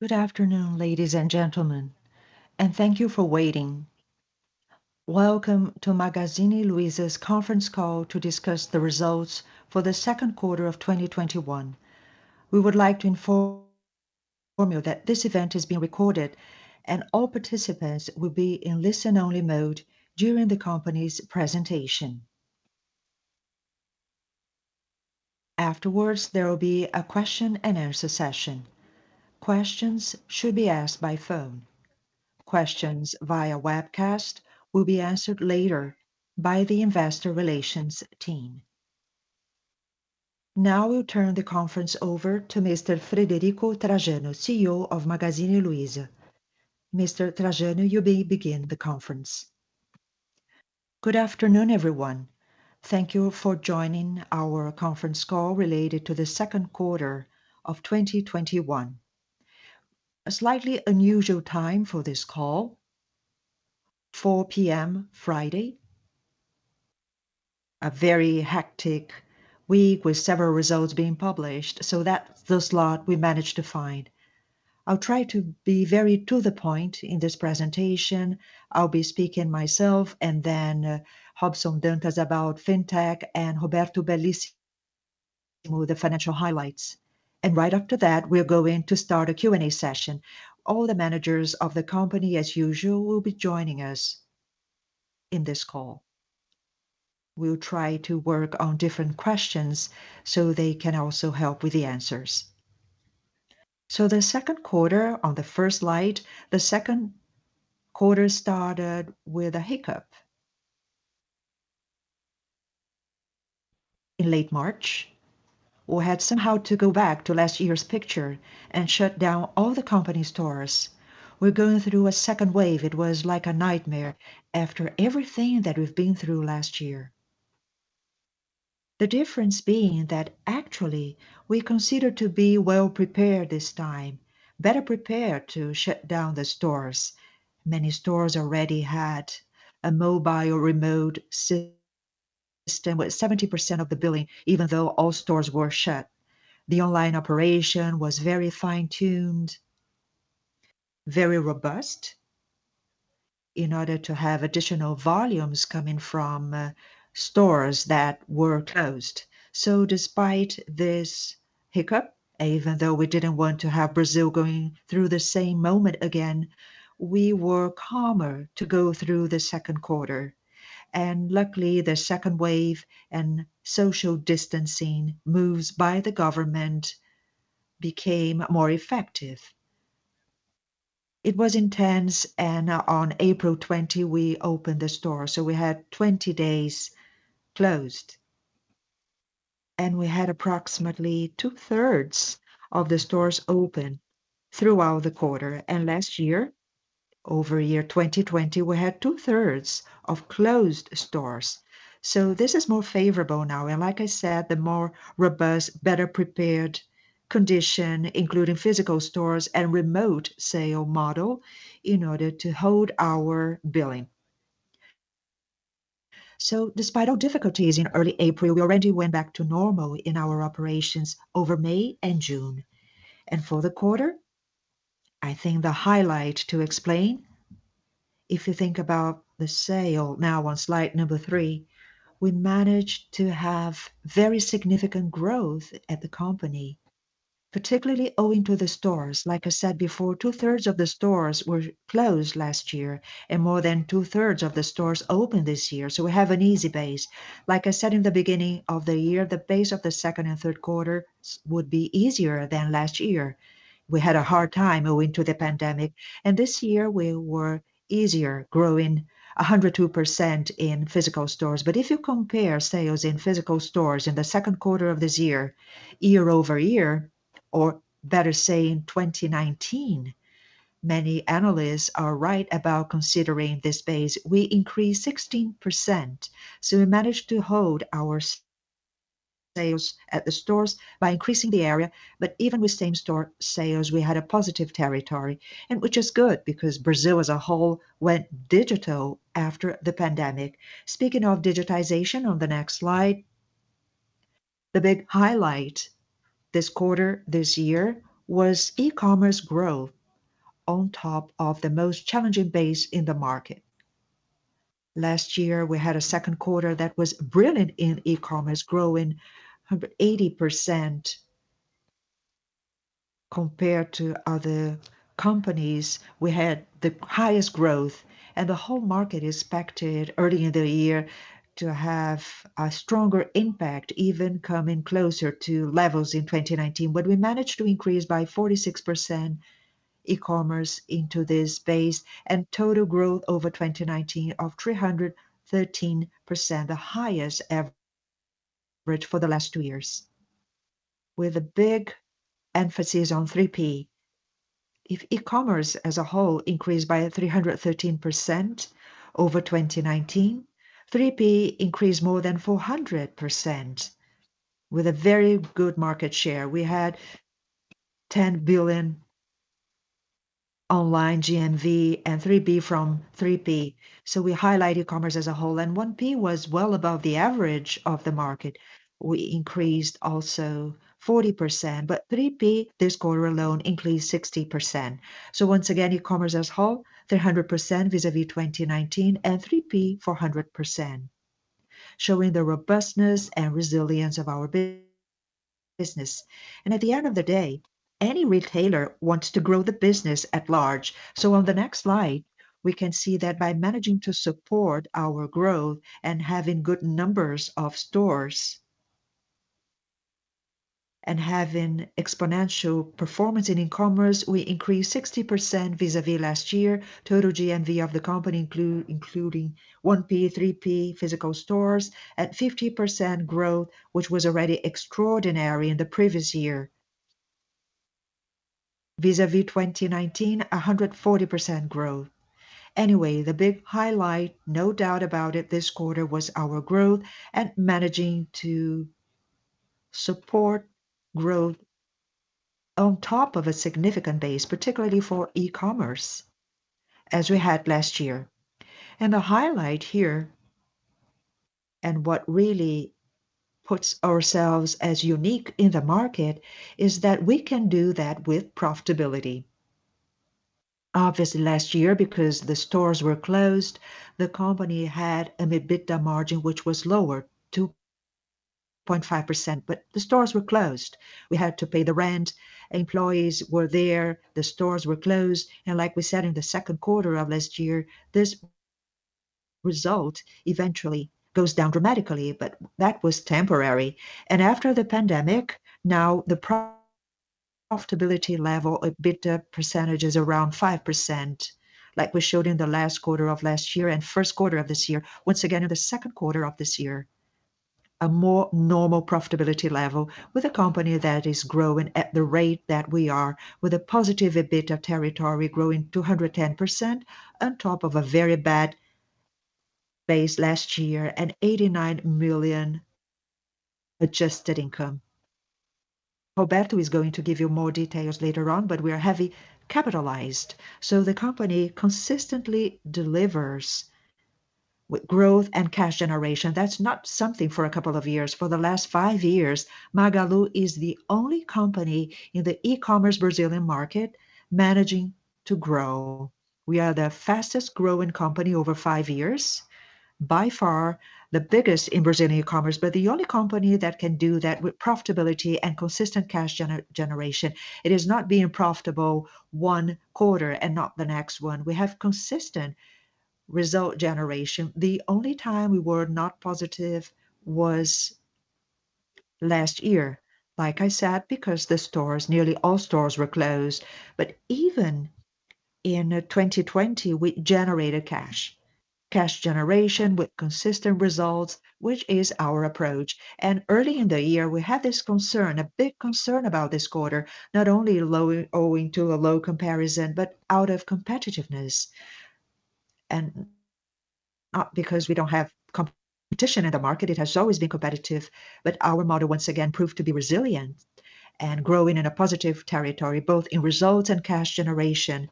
Good afternoon, ladies and gentlemen, and thank you for waiting. Welcome to Magazine Luiza's conference call to discuss the results for the second quarter of 2021. We would like to inform you that this event is being recorded and all participants will be in listen-only mode during the company's presentation. Afterwards, there will be a question-and-answer session. Questions should be asked by phone. Questions via webcast will be answered later by the investor relations team. Now we turn the conference over to Mr. Frederico Trajano, CEO of Magazine Luiza. Mr. Trajano, you may begin the conference. Good afternoon, everyone. Thank you for joining our conference call related to the second quarter of 2021. A slightly unusual time for this call, 4:00 P.M. Friday. A very hectic week with several results being published, so that's the slot we managed to find. I'll try to be very to the point in this presentation. I'll be speaking myself, and then Robson Dantas about fintech and Roberto Bellissimo Rodrigues with the financial highlights. Right after that, we're going to start a Q&A session. All the managers of the company, as usual, will be joining us in this call. We'll try to work on different questions so they can also help with the answers. The second quarter on the first slide. The second quarter started with a hiccup. In late March, we had somehow to go back to last year's picture and shut down all the company stores. We're going through a second wave. It was like a nightmare after everything that we've been through last year. The difference being that actually we considered to be well prepared this time, better prepared to shut down the stores. Many stores already had a mobile remote system with 70% of the billing even though all stores were shut. The online operation was very fine-tuned, very robust in order to have additional volumes coming from stores that were closed. Despite this hiccup, even though we didn't want to have Brazil going through the same moment again, we were calmer to go through the second quarter. Luckily, the second wave and social distancing moves by the government became more effective. It was intense, and on April 20, we opened the stores, so we had 20 days closed. We had approximately two-thirds of the stores open throughout the quarter. Last year, over year 2020, we had two-thirds of closed stores. This is more favorable now. Like I said, the more robust, better prepared condition, including physical stores and remote sale model in order to hold our billing. Despite all difficulties in early April, we already went back to normal in our operations over May and June. For the quarter, I think the highlight to explain, if you think about the sale now on slide three, we managed to have very significant growth at the company, particularly owing to the stores. Like I said before, two-thirds of the stores were closed last year and more than two-thirds of the stores opened this year. We have an easy base. Like I said, in the beginning of the year, the base of the second and third quarters would be easier than last year. We had a hard time owing to the pandemic. This year we were easier growing 102% in physical stores. If you compare sales in physical stores in the second quarter of this year-over-year, or better say in 2019, many analysts are right about considering this base. We increased 16%, so we managed to hold our sales at the stores by increasing the area. Even with same-store sales, we had a positive territory. Which is good because Brazil as a whole went digital after the pandemic. Speaking of digitization on the next slide, the big highlight this quarter this year was e-commerce growth on top of the most challenging base in the market. Last year, we had a second quarter that was brilliant in e-commerce, growing 180%. Compared to other companies, we had the highest growth and the whole market expected early in the year to have a stronger impact, even coming closer to levels in 2019. We managed to increase by 46% e-commerce into this base and total growth over 2019 of 313%, the highest average for the last two years with a big emphasis on 3P. If e-commerce as a whole increased by 313% over 2019, 3P increased more than 400% with a very good market share. We had 10 billion online GMV and 3P from 3P. We highlight e-commerce as a whole, and 1P was well above the average of the market. We increased also 40%, but 3P this quarter alone increased 60%. Once again, e-commerce as a whole, 300% vis-a-vis 2019 and 3P 400%, showing the robustness and resilience of our business. At the end of the day, any retailer wants to grow the business at large. On the next slide, we can see that by managing to support our growth and having good numbers of stores and having exponential performance in e-commerce, we increased 60% vis-a-vis last year. Total GMV of the company including 1P, 3P physical stores at 50% growth, which was already extraordinary in the previous year. Vis-a-vis 2019, 140% growth. The big highlight, no doubt about it this quarter was our growth and managing to support growth on top of a significant base, particularly for e-commerce as we had last year. The highlight here, and what really puts ourselves as unique in the market is that we can do that with profitability. Obviously last year because the stores were closed, the company had an EBITDA margin which was lower, 2.5%, but the stores were closed. We had to pay the rent. Employees were there, the stores were closed, and like we said in the second quarter of last year, this result eventually goes down dramatically, but that was temporary. After the pandemic, now the profitability level EBITDA percentage is around 5%, like we showed in the last quarter of last year and first quarter of this year. Once again, in the second quarter of this year, a more normal profitability level with a company that is growing at the rate that we are with a positive EBITDA territory growing 210% on top of a very bad base last year and 89 million adjusted income. Roberto is going to give you more details later on, but we are heavy capitalized, so the company consistently delivers with growth and cash generation. That's not something for a couple of years. For the last five years, Magalu is the only company in the e-commerce Brazilian market managing to grow. We are the fastest growing company over five years. The only company that can do that with profitability and consistent cash generation. It is not being profitable one quarter and not the next one. We have consistent result generation. The only time we were not positive was last year, like I said, because nearly all stores were closed. Even in 2020, we generated cash. Cash generation with consistent results, which is our approach. Early in the year, we had this concern, a big concern about this quarter. Not only owing to a low comparison, but out of competitiveness. Not because we don't have competition in the market, it has always been competitive, but our model once again proved to be resilient and growing in a positive territory, both in results and cash generation,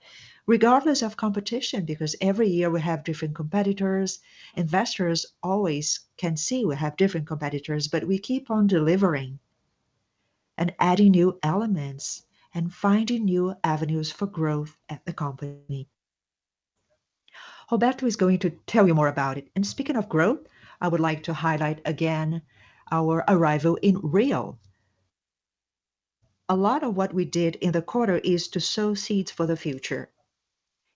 regardless of competition, because every year we have different competitors. Investors always can see we have different competitors, but we keep on delivering and adding new elements and finding new avenues for growth at the company. Roberto is going to tell you more about it. Speaking of growth, I would like to highlight again our arrival in Rio. A lot of what we did in the quarter is to sow seeds for the future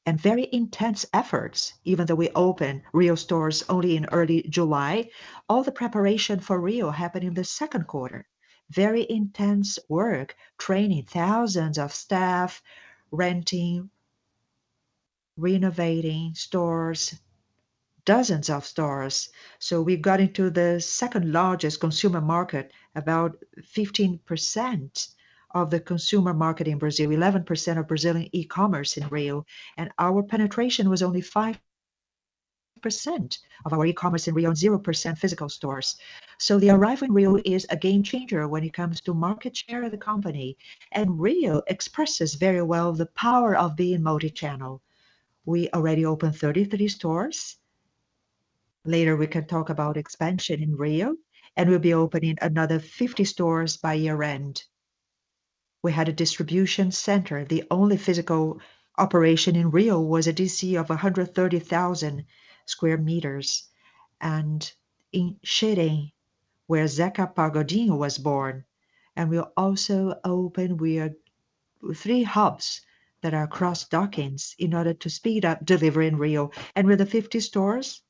and very intense efforts even though we opened Rio stores only in early July. All the preparation for Rio happened in the second quarter. Very intense work training thousands of staff, renting, renovating dozens of stores. We got into the second largest consumer market, about 15% of the consumer market in Brazil, 11% of Brazilian e-commerce in Rio. Our penetration was only 5% of our e-commerce in Rio, 0% physical stores. The arrival in Rio is a game changer when it comes to market share of the company, and Rio expresses very well the power of being multi-channel. We already opened 33 stores. Later, we can talk about expansion in Rio, and we'll be opening another 50 stores by year-end. We had a distribution center. The only physical operation in Rio was a DC of 130,000 sq m. In Irajá, where Zeca Pagodinho was born. We also opened three hubs that are cross-docking in order to speed up delivery in Rio. With the 50 stores,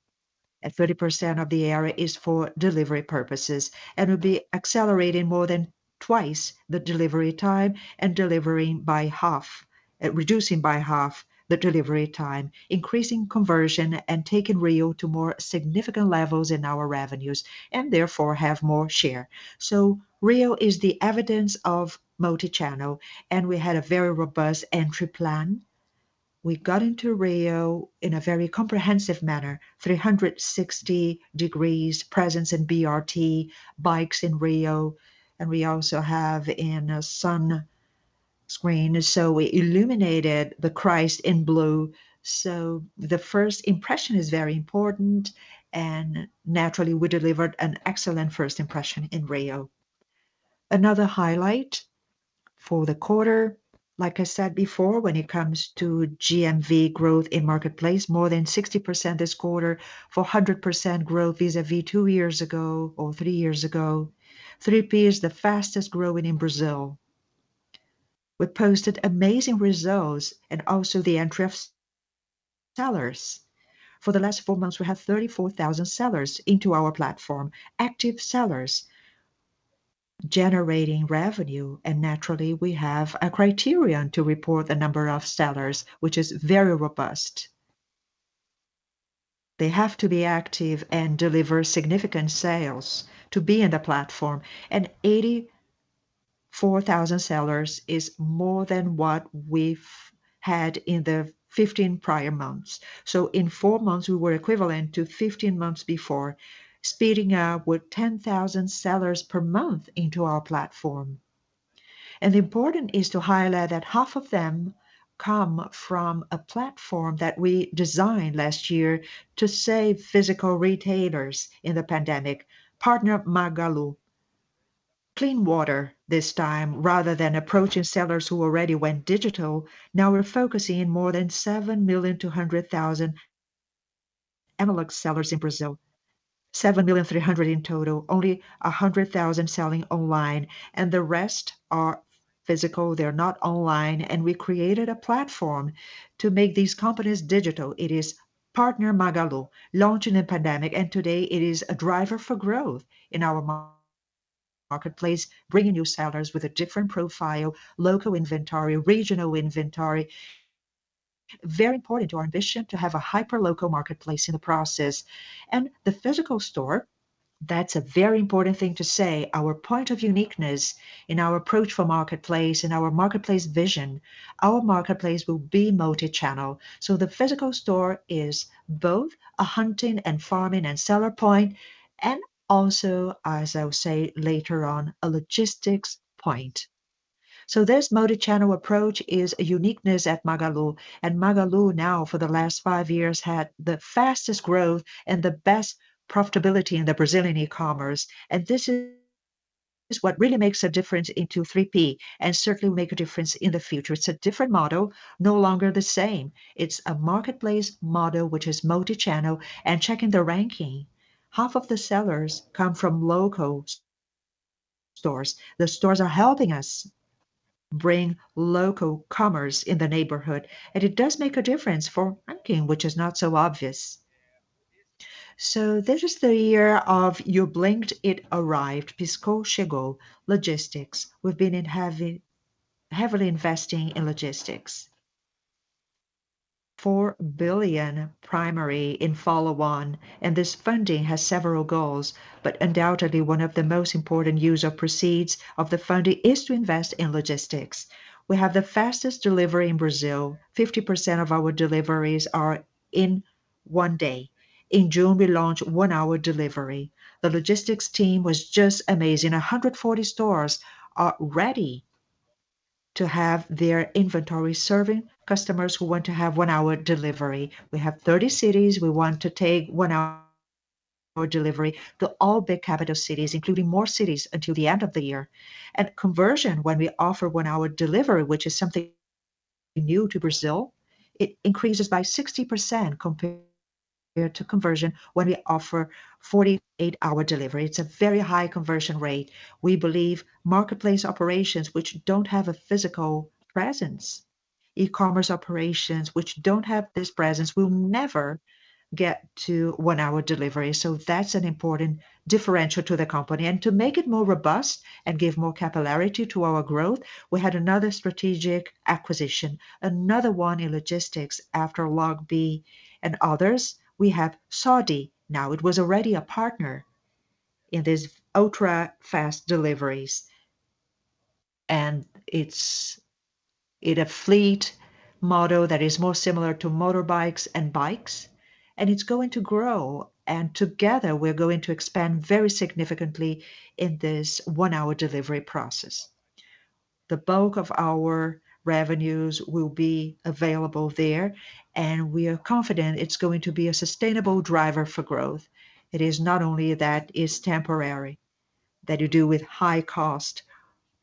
30% of the area is for delivery purposes and will be accelerating more than twice the delivery time and reducing by half the delivery time, increasing conversion and taking Rio to more significant levels in our revenues and therefore have more share. Rio is the evidence of multi-channel and we had a very robust entry plan. We got into Rio in a very comprehensive manner, 360 degrees presence in BRT, bikes in Rio, and we also have in Irajá. We illuminated the Christ in blue. The first impression is very important, and naturally, we delivered an excellent first impression in Rio. Another highlight for the quarter, like I said before, when it comes to GMV growth in marketplace, more than 60% this quarter, 400% growth vis-a-vis two years ago or three years ago. 3P is the fastest growing in Brazil. We posted amazing results also the entrance sellers. For the last four months, we had 34,000 sellers into our platform, active sellers generating revenue. Naturally, we have a criterion to report the number of sellers, which is very robust. They have to be active and deliver significant sales to be in the platform. 84,000 sellers is more than what we've had in the 15 prior months. In four months, we were equivalent to 15 months before, speeding up with 10,000 sellers per month into our platform. Important is to highlight that half of them come from a platform that we designed last year to save physical retailers in the pandemic, Parceiro Magalu. Clean water this time, rather than approaching sellers who already went digital, now we're focusing on more than 7,200,000 analog sellers in Brazil. 7,000,300 in total. Only 100,000 selling online, the rest are physical. They're not online. We created a platform to make these companies digital. It is Parceiro Magalu, launched in the pandemic, and today it is a driver for growth in our marketplace, bringing new sellers with a different profile, local inventory, regional inventory. Very important to our ambition to have a hyperlocal marketplace in the process. The physical store, that's a very important thing to say. Our point of uniqueness in our approach for marketplace, in our marketplace vision, our marketplace will be multichannel. The physical store is both a hunting and farming and seller point, and also, as I will say later on, a logistics point. This multichannel approach is a uniqueness at Magalu. Magalu now for the last five years had the fastest growth and the best profitability in the Brazilian e-commerce. This is what really makes a difference into 3P and certainly make a difference in the future. It's a different model, no longer the same. It's a marketplace model, which is multichannel. Checking the ranking, half of the sellers come from local stores. The stores are helping us bring local commerce in the neighborhood, and it does make a difference for ranking, which is not so obvious. This is the year of you blinked, it arrived. Piscou, chegou. Logistics. We've been heavily investing in logistics. 4 billion in follow-on, and this funding has several goals, but undoubtedly one of the most important use of proceeds of the funding is to invest in logistics. We have the fastest delivery in Brazil. 50% of our deliveries are in one day. In June, we launched one-hour delivery. The logistics team was just amazing. 140 stores are ready to have their inventory serving customers who want to have one-hour delivery. We have 30 cities we want to take one-hour delivery to all big capital cities, including more cities until the end of the year. Conversion, when we offer one-hour delivery, which is something new to Brazil, it increases by 60% compared to conversion when we offer 48-hour delivery. It's a very high conversion rate. We believe marketplace operations which don't have a physical presence, e-commerce operations which don't have this presence, will never get to one-hour delivery. That's an important differential to the company. To make it more robust and give more capillarity to our growth, we had another strategic acquisition, another one in logistics after Loggi and others. We have Sode now. It was already a partner in these ultra-fast deliveries. It's a fleet model that is more similar to motorbikes and bikes, and it's going to grow, and together we're going to expand very significantly in this one-hour delivery process. The bulk of our revenues will be available there, we are confident it's going to be a sustainable driver for growth. It is not only that it's temporary that you do with high cost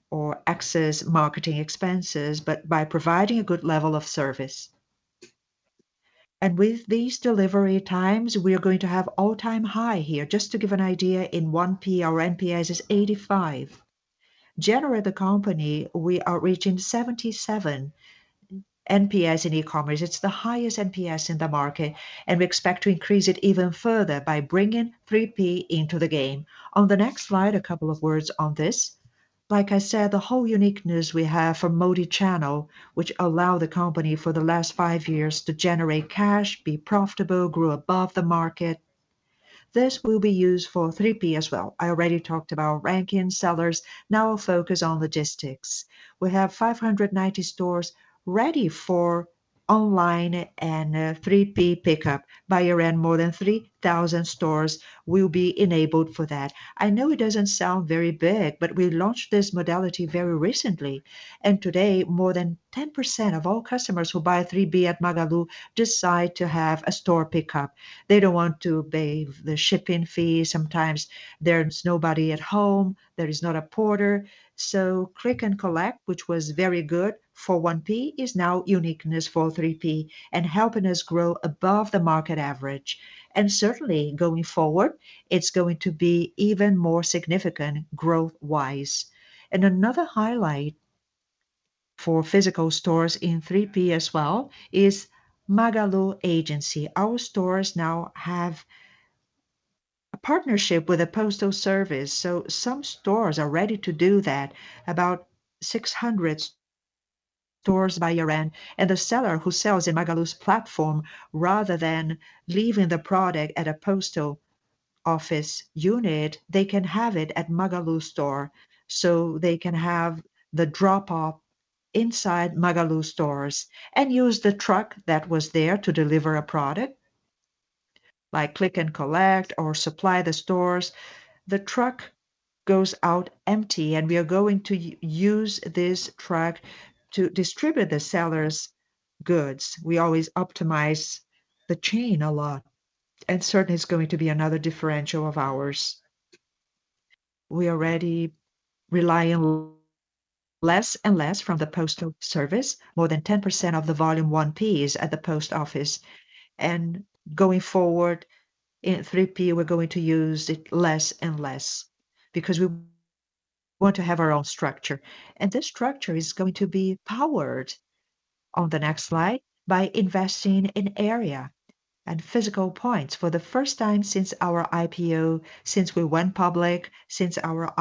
or excess marketing expenses, but by providing a good level of service. With these delivery times, we are going to have all-time high here. Just to give an idea, in 1P, our NPS is 85. Generally, the company, we are reaching 77 NPS in e-commerce. It's the highest NPS in the market, and we expect to increase it even further by bringing 3P into the game. On the next slide, a couple of words on this. Like I said, the whole uniqueness we have for multichannel, which allow the company for the last five years to generate cash, be profitable, grew above the market. This will be used for 3P as well. I already talked about ranking sellers. Now we'll focus on logistics. We have 590 stores ready for online and 3P pickup by around more than 3,000 stores will be enabled for that. I know it doesn't sound very big, but we launched this modality very recently, and today more than 10% of all customers who buy 3P at Magalu decide to have a store pickup. They don't want to pay the shipping fee. Sometimes there's nobody at home. There is not a porter. Click and collect, which was very good for 1P, is now uniqueness for 3P and helping us grow above the market average. Certainly going forward, it's going to be even more significant growth-wise. Another highlight for physical stores in 3P as well is Magalu Agency. Our stores now have a partnership with the postal service, so some stores are ready to do that. About 600 stores by year-end. The seller who sells in Magalu's platform, rather than leaving the product at a postal office unit, they can have it at Magalu store. They can have the drop-off inside Magalu stores and use the truck that was there to deliver a product by click and collect or supply the stores. The truck goes out empty, and we are going to use this truck to distribute the seller's goods. We always optimize the chain a lot, and certainly it's going to be another differential of ours. We already rely less and less from the postal service. More than 10% of the volume 1P is at the post office. Going forward in 3P, we're going to use it less and less because we want to have our own structure. This structure is going to be powered on the next slide by investing in area and physical points. For the first time since our IPO, since we went public, for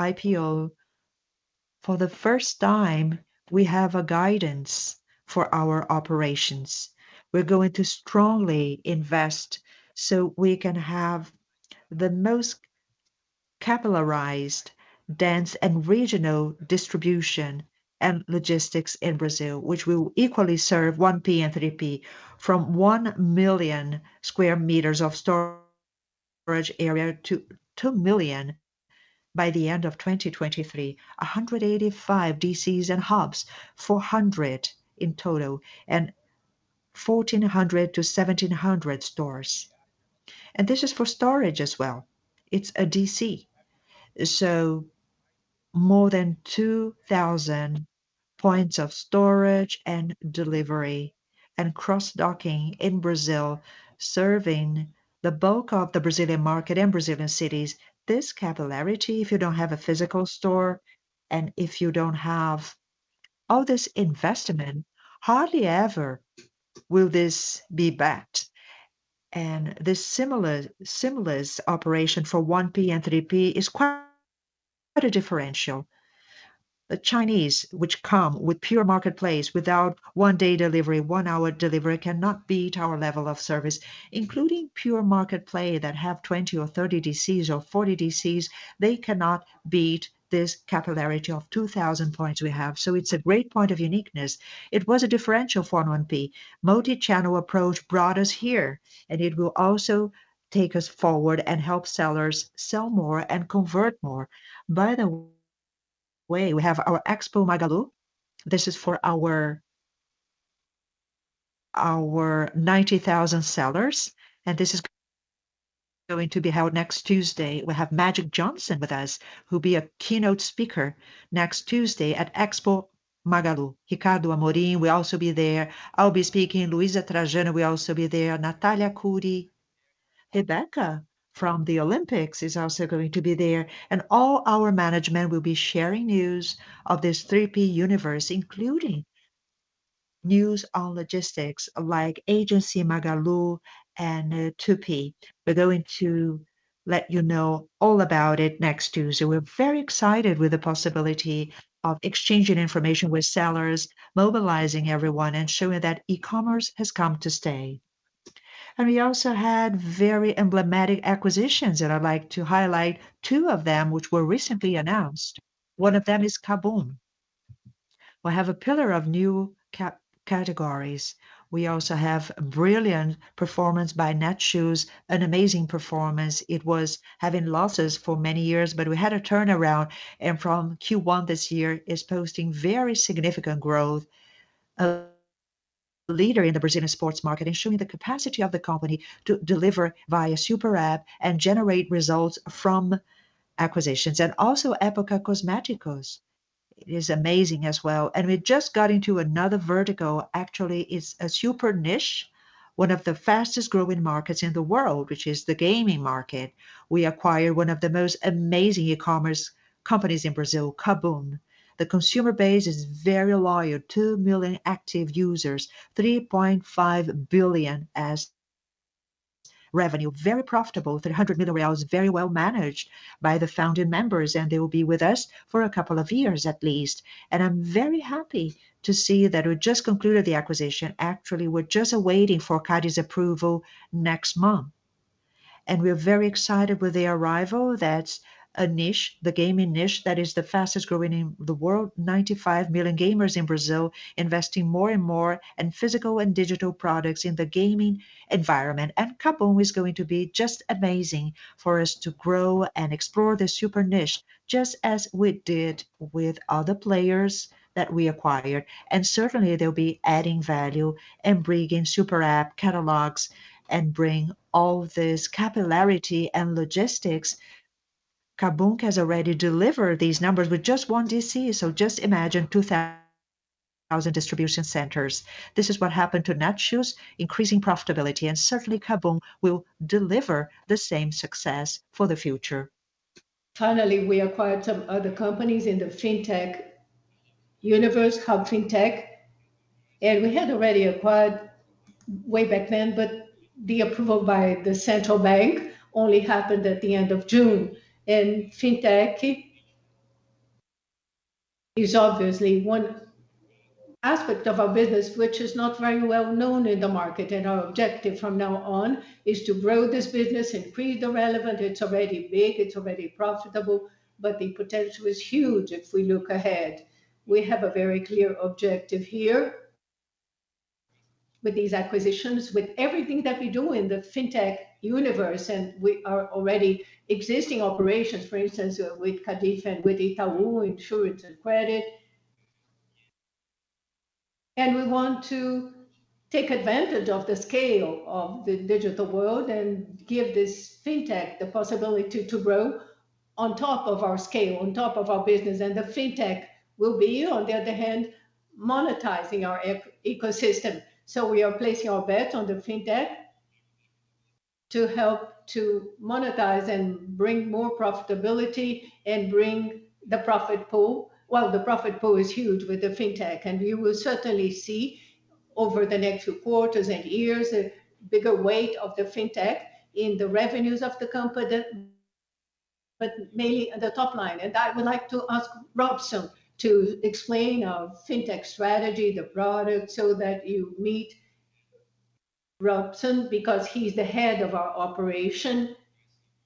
the first time, we have a guidance for our operations. We're going to strongly invest so we can have the most capillarized dense and regional distribution and logistics in Brazil, which will equally serve 1P and 3P from 1 million sq m of storage area to 2 million sq m by the end of 2023, 185 DCs and hubs, 400 in total and 1,400 to 1,700 stores. This is for storage as well. It's a DC. More than 2,000 points of storage and delivery and cross-docking in Brazil serving the bulk of the Brazilian market and Brazilian cities. This capillarity, if you don't have a physical store and if you don't have all this investment, hardly ever will this be backed. This seamless operation for 1P and 3P is quite a differential. The Chinese, which come with pure marketplace without one-day delivery, one-hour delivery, cannot beat our level of service. Including pure marketplace that have 20 DCs or 30 DCs or 40 DCs, they cannot beat this capillarity of 2,000 points we have. It's a great point of uniqueness. It was a differential for 1P. Multi-channel approach brought us here, and it will also take us forward and help sellers sell more and convert more. By the way, we have our Expo Magalu. This is for our 90,000 sellers, and this is going to be held next Tuesday. We'll have Magic Johnson with us, who'll be a keynote speaker next Tuesday at Expo Magalu. Ricardo Amorim will also be there. I'll be speaking. Luiza Trajano will also be there. Nathalia Arcuri. Rebeca from the Olympics is also going to be there. All our management will be sharing news of this 3P universe, including news on logistics like Agência Magalu and Tupi. We're going to let you know all about it next Tuesday. We're very excited with the possibility of exchanging information with sellers, mobilizing everyone, and showing that e-commerce has come to stay. We also had very emblematic acquisitions, and I'd like to highlight two of them, which were recently announced. One of them is KaBuM!. We have a pillar of new categories. We also have a brilliant performance by Netshoes, an amazing performance. It was having losses for many years, but we had a turnaround, and from Q1 this year is posting very significant growth. A leader in the Brazilian sports market and showing the capacity of the company to deliver via SuperApp and generate results from acquisitions. Also, Época Cosméticos is amazing as well. We just got into another vertical. Actually, it's a super niche, one of the fastest-growing markets in the world, which is the gaming market. We acquired one of the most amazing e-commerce companies in Brazil, KaBuM!. The consumer base is very loyal, 2 million active users, 3.5 billion as revenue. Very profitable, 300 million real reals, very well managed by the founding members, and they will be with us for a couple of years at least. I'm very happy to see that we just concluded the acquisition. Actually, we're just waiting for CADE's approval next month. We are very excited with the arrival. That's a niche, the gaming niche, that is the fastest-growing in the world. 95 million gamers in Brazil investing more and more in physical and digital products in the gaming environment. KaBuM! is going to be just amazing for us to grow and explore this super niche, just as we did with other players that we acquired. Certainly, they'll be adding value and bringing super app catalogs and bring all this capillarity and logistics. KaBuM! has already delivered these numbers with just 1 DC, so just imagine 2,000 distribution centers. This is what happened to Netshoes, increasing profitability, and certainly KaBuM! will deliver the same success for the future. Finally, we acquired some other companies in the fintech universe, Hub Fintech. We had already acquired way back then, but the approval by the central bank only happened at the end of June. Fintech is obviously one aspect of our business which is not very well known in the market. Our objective from now on is to grow this business and create. It's already big, it's already profitable, but the potential is huge if we look ahead. We have a very clear objective here with these acquisitions, with everything that we do in the fintech universe, and we are already existing operations, for instance, with Cardif and with Itaú Insurance and Credit. We want to take advantage of the scale of the digital world and give this Fintech the possibility to grow on top of our scale, on top of our business. The Fintech will be, on the other hand, monetizing our ecosystem. We are placing our bet on the fintech to help to monetize and bring more profitability and bring the profit pool. Well, the profit pool is huge with the fintech, and we will certainly see over the next quarters and years, a bigger weight of the fintech in the revenues of the company, but mainly the top line. I would like to ask Robson to explain our fintech strategy, the product, so that you meet Robson, because he's the head of our operation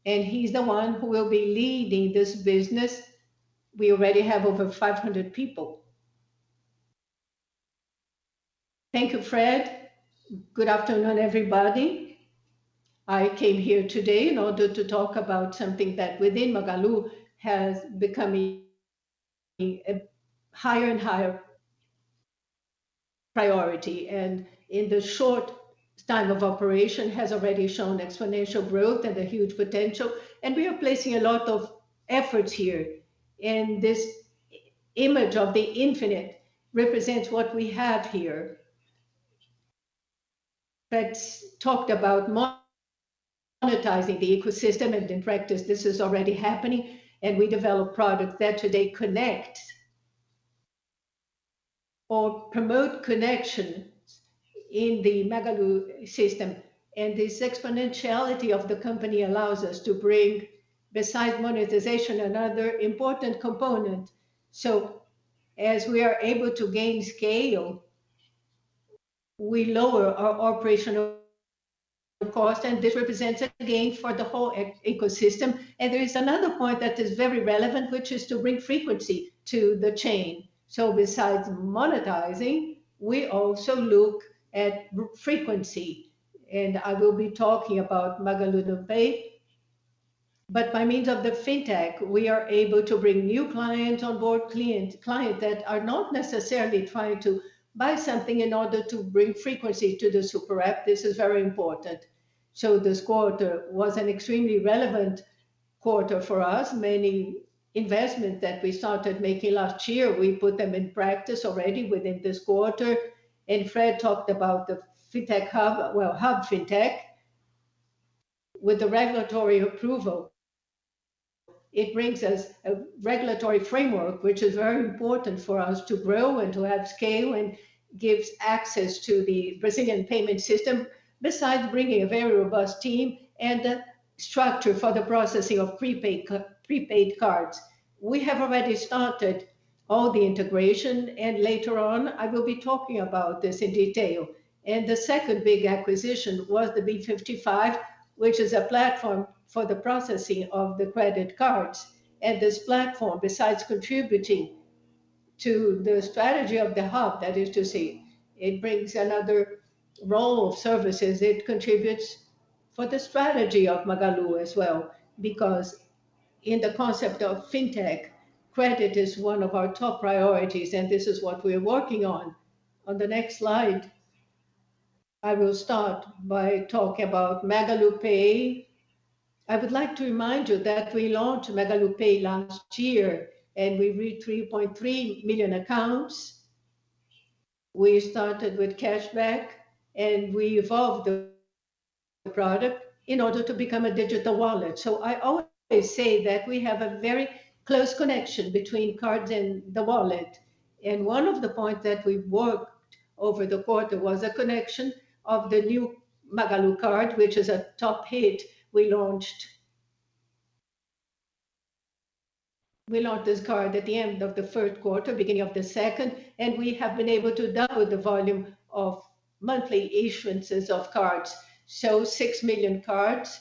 and he's the one who will be leading this business. We already have over 500 people. Thank you, Fred. Good afternoon, everybody. I came here today in order to talk about something that within Magalu has become a higher and higher priority, and in the short time of operation, has already shown exponential growth and a huge potential. We are placing a lot of efforts here, and this image of the infinite represents what we have here. Fred talked about monetizing the ecosystem, and in practice, this is already happening. We develop products that today connect or promote connections in the Magalu system. This exponentiality of the company allows us to bring, besides monetization, another important component. As we are able to gain scale, we lower our operational cost, and this represents a gain for the whole ecosystem. There is another point that is very relevant, which is to bring frequency to the chain. Besides monetizing, we also look at frequency. I will be talking about MagaluPay. By means of the fintech, we are able to bring new clients on board, clients that are not necessarily trying to buy something in order to bring frequency to the SuperApp. This is very important. This quarter was an extremely relevant quarter for us. Many investment that we started making last year, we put them in practice already within this quarter. Fred talked about the fintech hub. Hub Fintech, with the regulatory approval, it brings us a regulatory framework, which is very important for us to grow and to have scale and gives access to the Brazilian payment system, besides bringing a very robust team and a structure for the processing of prepaid cards. We have already started all the integration, later on, I will be talking about this in detail. The second big acquisition was the Bit55, which is a platform for the processing of the credit cards. This platform, besides contributing to the strategy of the Hub, that is to say, it brings another role of services. It contributes for the strategy of Magalu as well, because in the concept of fintech, credit is one of our top priorities, and this is what we're working on. On the next slide, I will start by talking about MagaluPay. I would like to remind you that we launched MagaluPay last year, and we reached 3.3 million accounts. We started with cashback, we evolved the product in order to become a digital wallet. I always say that we have a very close connection between cards and the wallet. One of the points that we worked over the quarter was a connection of the new Magalu card, which is a top hit we launched this card at the end of the third quarter, beginning of the second, and we have been able to double the volume of monthly issuances of cards. 6 million cards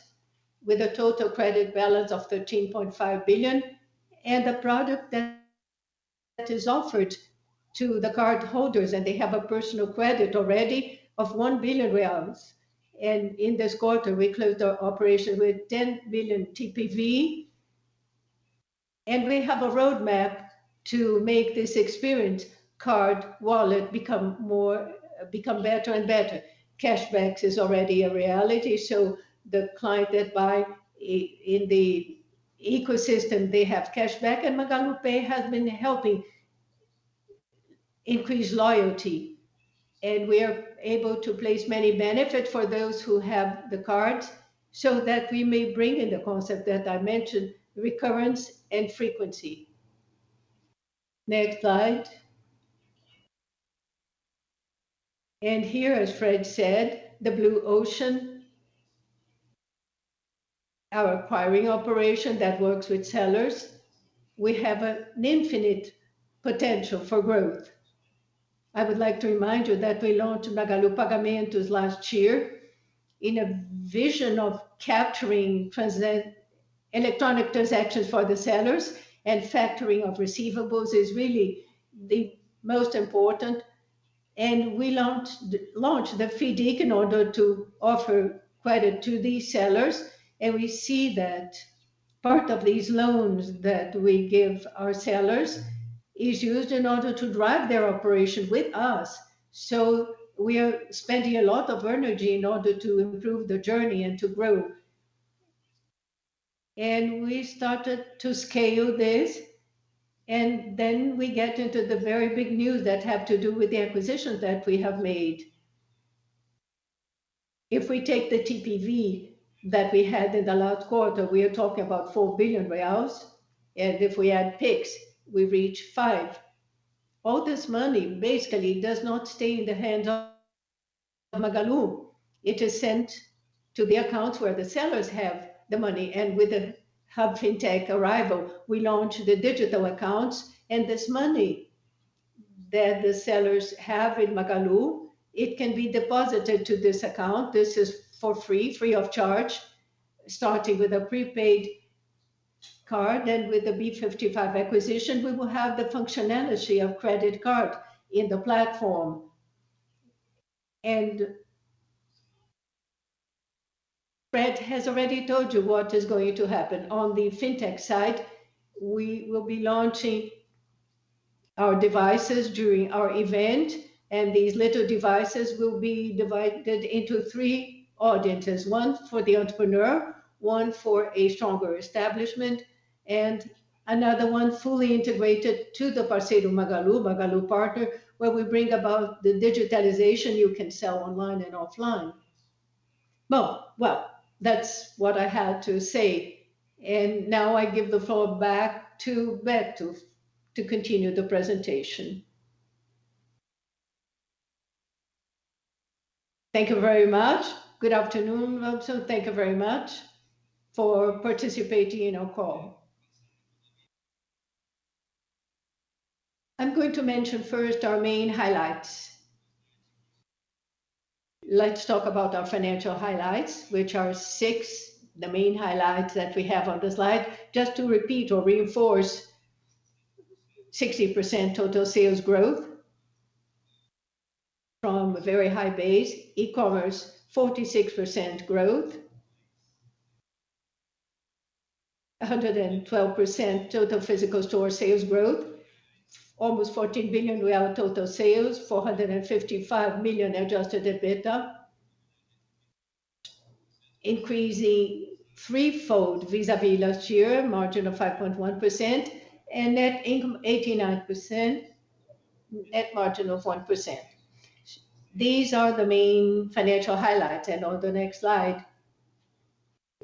with a total credit balance of 13.5 billion, and a product that is offered to the cardholders, and they have a personal credit already of 1 billion. In this quarter, we closed our operation with 10 billion TPV. We have a roadmap to make this experience card wallet become better and better. Cashbacks is already a reality, so the client that buy in the ecosystem, they have cashback, and MagaluPay has been helping increase loyalty. We are able to place many benefit for those who have the card so that we may bring in the concept that I mentioned, recurrence and frequency. Next slide. Here, as Fred said, the blue ocean, our acquiring operation that works with sellers. We have an infinite potential for growth. I would like to remind you that we launched Magalu Pagamentos last year in a vision of capturing electronic transactions for the sellers and factoring of receivables is really the most important. We launched the FIDC in order to offer credit to these sellers, and we see that part of these loans that we give our sellers is used in order to drive their operation with us. We are spending a lot of energy in order to improve the journey and to grow. We started to scale this, and then we get into the very big news that have to do with the acquisitions that we have made. If we take the TPV that we had in the last quarter, we are talking about 4 billion reais. If we add Pix, we reach 5 billion. All this money basically does not stay in the hands of Magalu. It is sent to the accounts where the sellers have the money. With the Hub Fintech arrival, we launched the digital accounts. This money that the sellers have in Magalu, it can be deposited to this account. This is for free of charge, starting with a prepaid card. With the Bit55 acquisition, we will have the functionality of credit card in the platform. Fred has already told you what is going to happen. On the fintech side, we will be launching our devices during our event, and these little devices will be divided into three audiences. One for the entrepreneur, one for a stronger establishment, and another one fully integrated to the Parceiro Magalu partner, where we bring about the digitalization. You can sell online and offline. Well, that's what I had to say. Now I give the floor back to Beto to continue the presentation. Thank you very much. Good afternoon, Robson. Thank you very much for participating in our call. I'm going to mention first our main highlights. Let's talk about our financial highlights, which are six. The main highlights that we have on the slide, just to repeat or reinforce, 60% total sales growth from a very high base. E-commerce, 46% growth. 112% total physical store sales growth. Almost 14 billion real total sales. 455 million adjusted EBITDA. Increasing threefold vis-à-vis last year, margin of 5.1%, and net income 89%, net margin of 1%. These are the main financial highlights. On the next slide,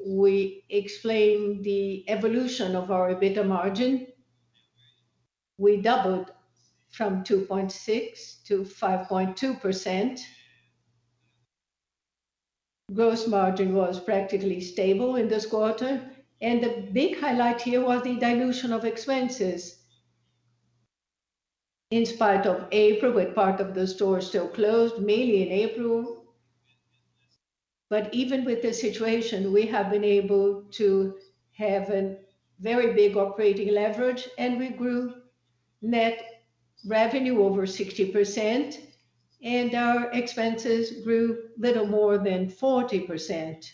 we explain the evolution of our EBITDA margin. We doubled from 2.6 to 5.2%. Gross margin was practically stable in this quarter. The big highlight here was the dilution of expenses. In spite of April, with part of the stores still closed, mainly in April. Even with this situation, we have been able to have a very big operating leverage, and we grew net revenue over 60%, and our expenses grew little more than 40%.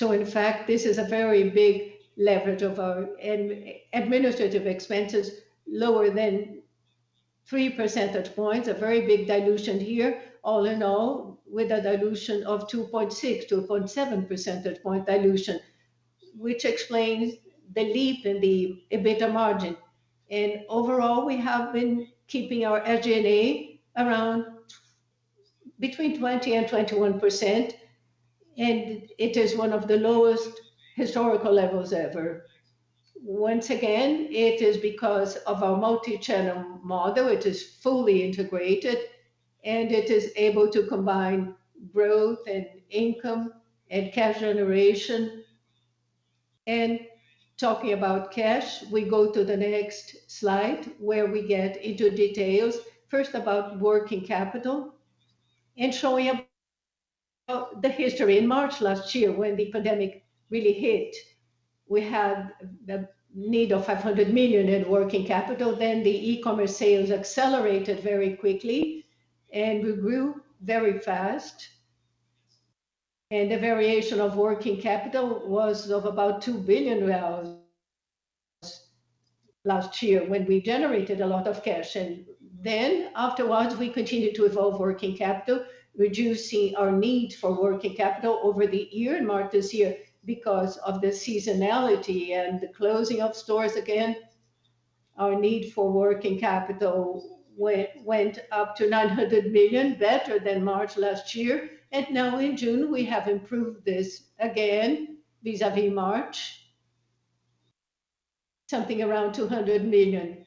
In fact, this is a very big leverage of our administrative expenses, lower than 3 percentage points. A very big dilution here. All in all, with a dilution of 2.6, 2.7 percentage point dilution, which explains the leap in the EBITDA margin. Overall, we have been keeping our SG&A around between 20 and 21%, and it is one of the lowest historical levels ever. Once again, it is because of our multi-channel model. It is fully integrated and it is able to combine growth and income and cash generation. Talking about cash, we go to the next slide, where we get into details, first about working capital and showing the history. In March last year, when the pandemic really hit, we had the need of 500 million in working capital. The e-commerce sales accelerated very quickly, and we grew very fast. The variation of working capital was of about BRL 2 billion last year when we generated a lot of cash. Afterwards, we continued to evolve working capital, reducing our need for working capital over the year. In March this year, because of the seasonality and the closing of stores again, our need for working capital went up to 900 million, better than March last year. Now in June, we have improved this again vis-a-vis March, something around 200 million.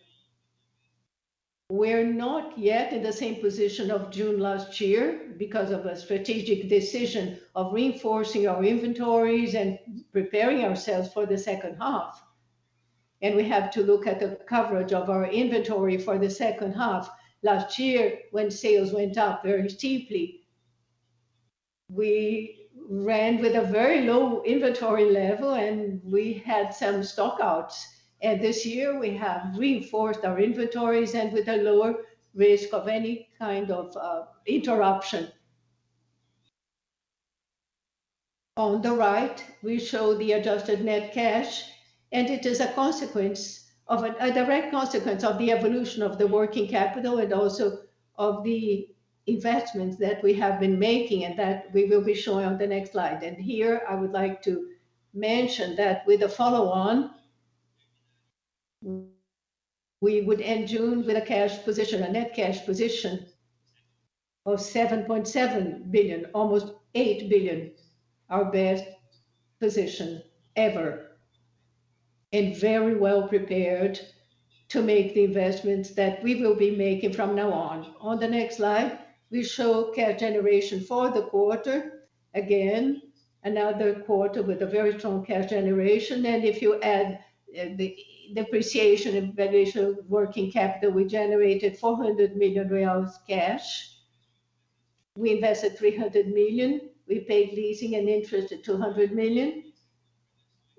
We're not yet in the same position of June last year because of a strategic decision of reinforcing our inventories and preparing ourselves for the second half. We have to look at the coverage of our inventory for the second half. Last year, when sales went up very steeply, we ran with a very low inventory level, and we had some stock-outs. This year, we have reinforced our inventories and with a lower risk of any kind of interruption. On the right, we show the adjusted net cash, and it is a direct consequence of the evolution of the working capital and also of the investments that we have been making and that we will be showing on the next slide. Here, I would like to mention that with the follow-on, we would end June with a net cash position of 7.7 billion, almost 8 billion, our best position ever, and very well prepared to make the investments that we will be making from now on. On the next slide, we show cash generation for the quarter. Again, another quarter with a very strong cash generation. If you add the depreciation and variation of working capital, we generated 400 million reais cash. We invested 300 million. We paid leasing and interest at 200 million.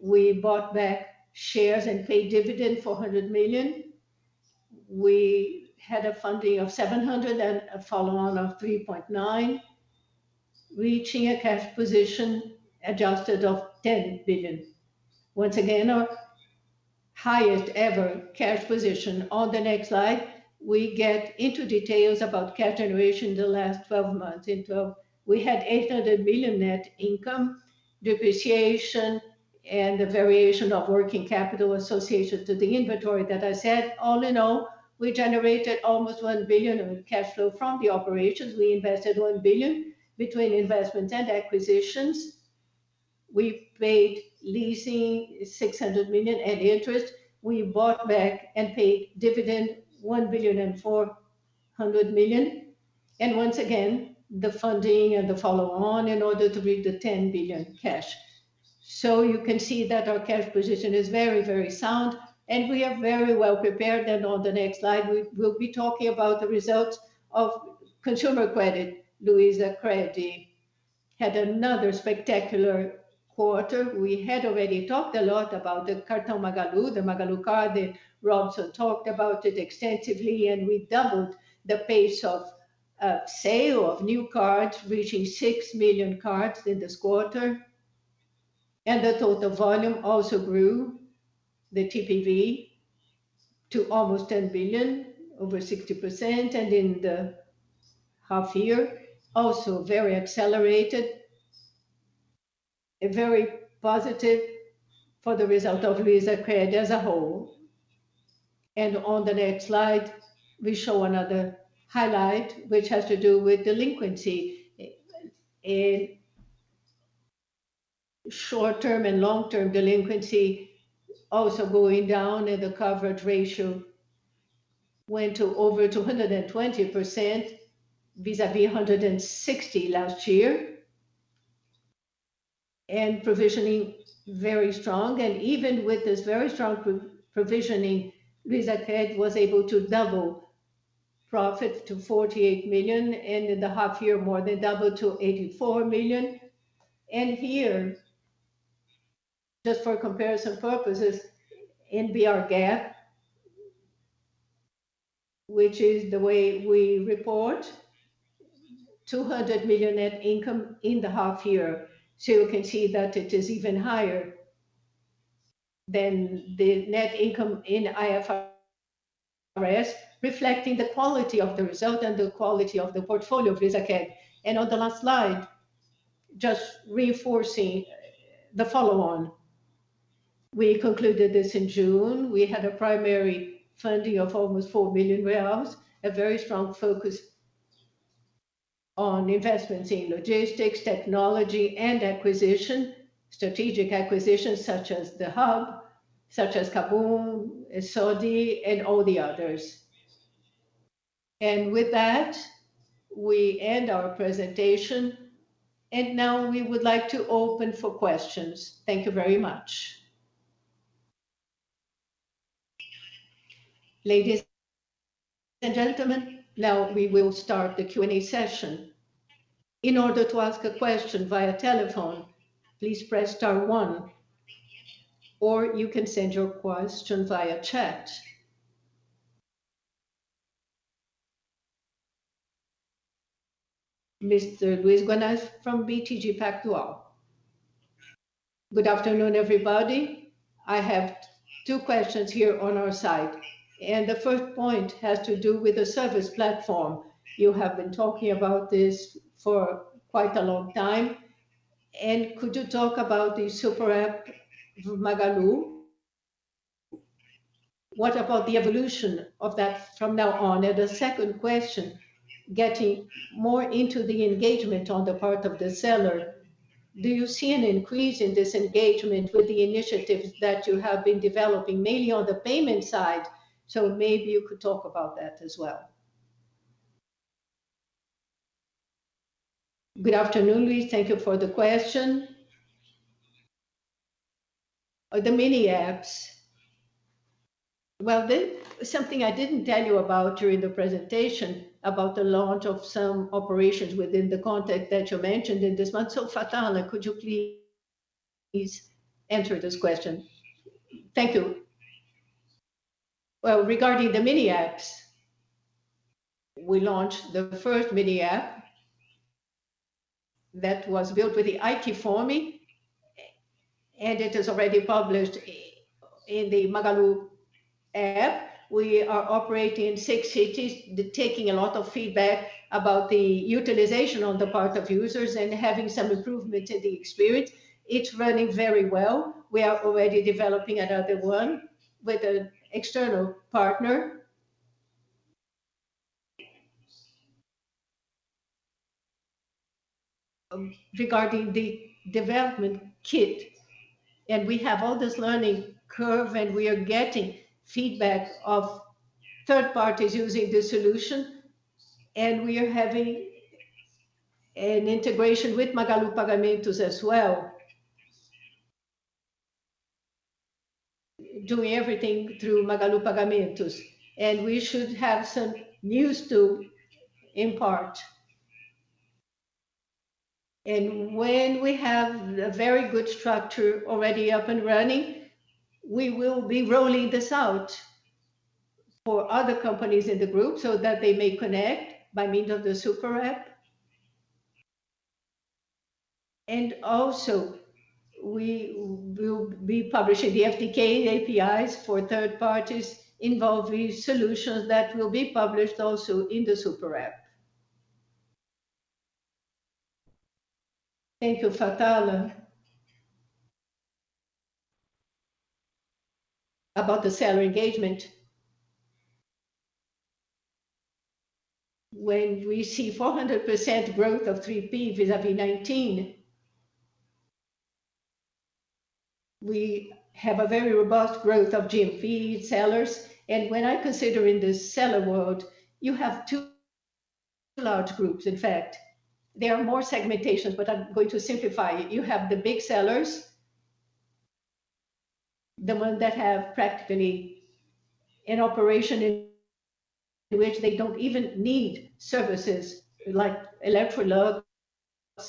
We bought back shares and paid dividend, 400 million. We had a funding of 700 million and a follow-on of 3.9 billion, reaching a cash position adjusted of 10 billion. Once again, our highest ever cash position. On the next slide, we get into details about cash generation the last 12 months. In 12, we had 800 million net income, depreciation, and the variation of working capital associated to the inventory that I said. All in all, we generated almost 1 billion of cash flow from the operations. We invested 1 billion between investments and acquisitions. We paid leasing, 600 million, and interest. We bought back and paid dividend, 1.4 billion. Once again, the funding and the follow-on in order to reach the 10 billion cash. You can see that our cash position is very, very sound, and we are very well prepared. On the next slide, we'll be talking about the results of consumer credit. LuizaCred had another spectacular quarter. We had already talked a lot about the Cartão Magalu, the Magalu card. Robson talked about it extensively, and we doubled the pace of sale of new cards, reaching 6 million cards in this quarter. The total volume also grew, the TPV, to almost 10 billion, over 60%, and in the half year, also very accelerated and very positive for the result of LuizaCred as a whole. On the next slide, we show another highlight, which has to do with delinquency. Short-term and long-term delinquency also going down, and the coverage ratio went to over 220% vis-a-vis 160 last year. Provisioning, very strong. Even with this very strong provisioning, LuizaCred was able to double profit to 48 million, and in the half year, more than double to 84 million. Here, just for comparison purposes, BR GAAP, which is the way we report, 200 million net income in the half year. You can see that it is even higher than the net income in IFRS, reflecting the quality of the result and the quality of the portfolio of LuizaCred. On the last slide, just reinforcing the follow-on. We concluded this in June. We had a primary funding of almost 4 billion reais, a very strong focus on investments in logistics, technology, and strategic acquisitions such as Hub Fintech, such as KaBuM!, Sode, and all the others. With that, we end our presentation, and now we would like to open for questions. Thank you very much. Ladies and gentlemen, now we will start the Q&A session. In order to ask a question via telephone, please press star one, or you can send your question via chat. Mr. Luiz Guanais from BTG Pactual. Good afternoon, everybody. I have two questions here on our side, the first point has to do with the service platform. You have been talking about this for quite a long time, could you talk about the SuperApp Magalu? What about the evolution of that from now on? The second question, getting more into the engagement on the part of the seller, do you see an increase in this engagement with the initiatives that you have been developing, mainly on the payment side? Maybe you could talk about that as well. Good afternoon, Luiz. Thank you for the question. The mini apps. Well, something I didn't tell you about during the presentation about the launch of some operations within the context that you mentioned this month. Fatala, could you please answer this question? Thank you. Well, regarding the mini apps, we launched the first mini app that was built with the Aiqfome, and it is already published in the Magalu app. We are operating six cities, taking a lot of feedback about the utilization on the part of users and having some improvement in the experience. It's running very well. We are already developing another one with an external partner. Regarding the development kit, we have all this learning curve, and we are getting feedback of third parties using the solution, and we are having an integration with Magalu Pagamentos as well. Doing everything through Magalu Pagamentos, we should have some news to impart. When we have a very good structure already up and running, we will be rolling this out for other companies in the group so that they may connect by means of the SuperApp. Also we will be publishing the SDK and APIs for third parties involving solutions that will be published also in the SuperApp. Thank you, Fatala. About the seller engagement. When we see 400% growth of 3P vis-à-vis 2019, we have a very robust growth of GMV sellers. When I consider in the seller world, you have two large groups. In fact, there are more segmentations, but I'm going to simplify it. You have the big sellers, the ones that have practically an operation in which they don't even need services like Electrolux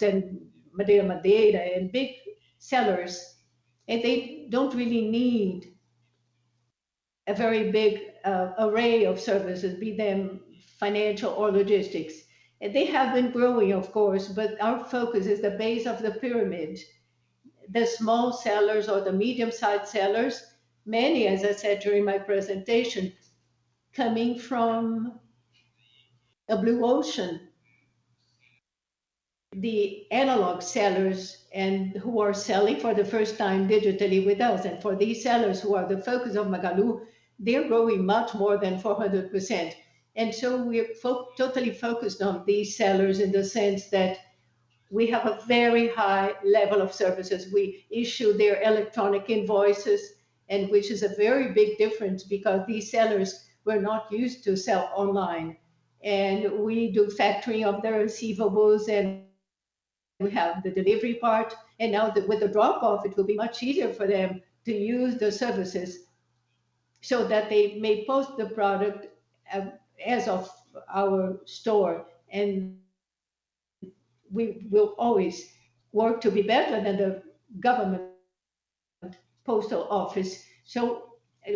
and MadeiraMadeira, and big sellers. They don't really need a very big array of services, be them financial or logistics. They have been growing, of course, but our focus is the base of the pyramid. The small sellers or the medium-sized sellers. Many, as I said during my presentation, coming from a blue ocean. The analog sellers who are selling for the first time digitally with us. For these sellers who are the focus of Magalu, they're growing much more than 400%. We are totally focused on these sellers in the sense that we have a very high level of services. We issue their electronic invoices, which is a very big difference because these sellers were not used to sell online. We do factory of their receivables. We have the delivery part. Now with the drop-off, it will be much easier for them to use the services so that they may post the product as of our store. We will always work to be better than the government postal office.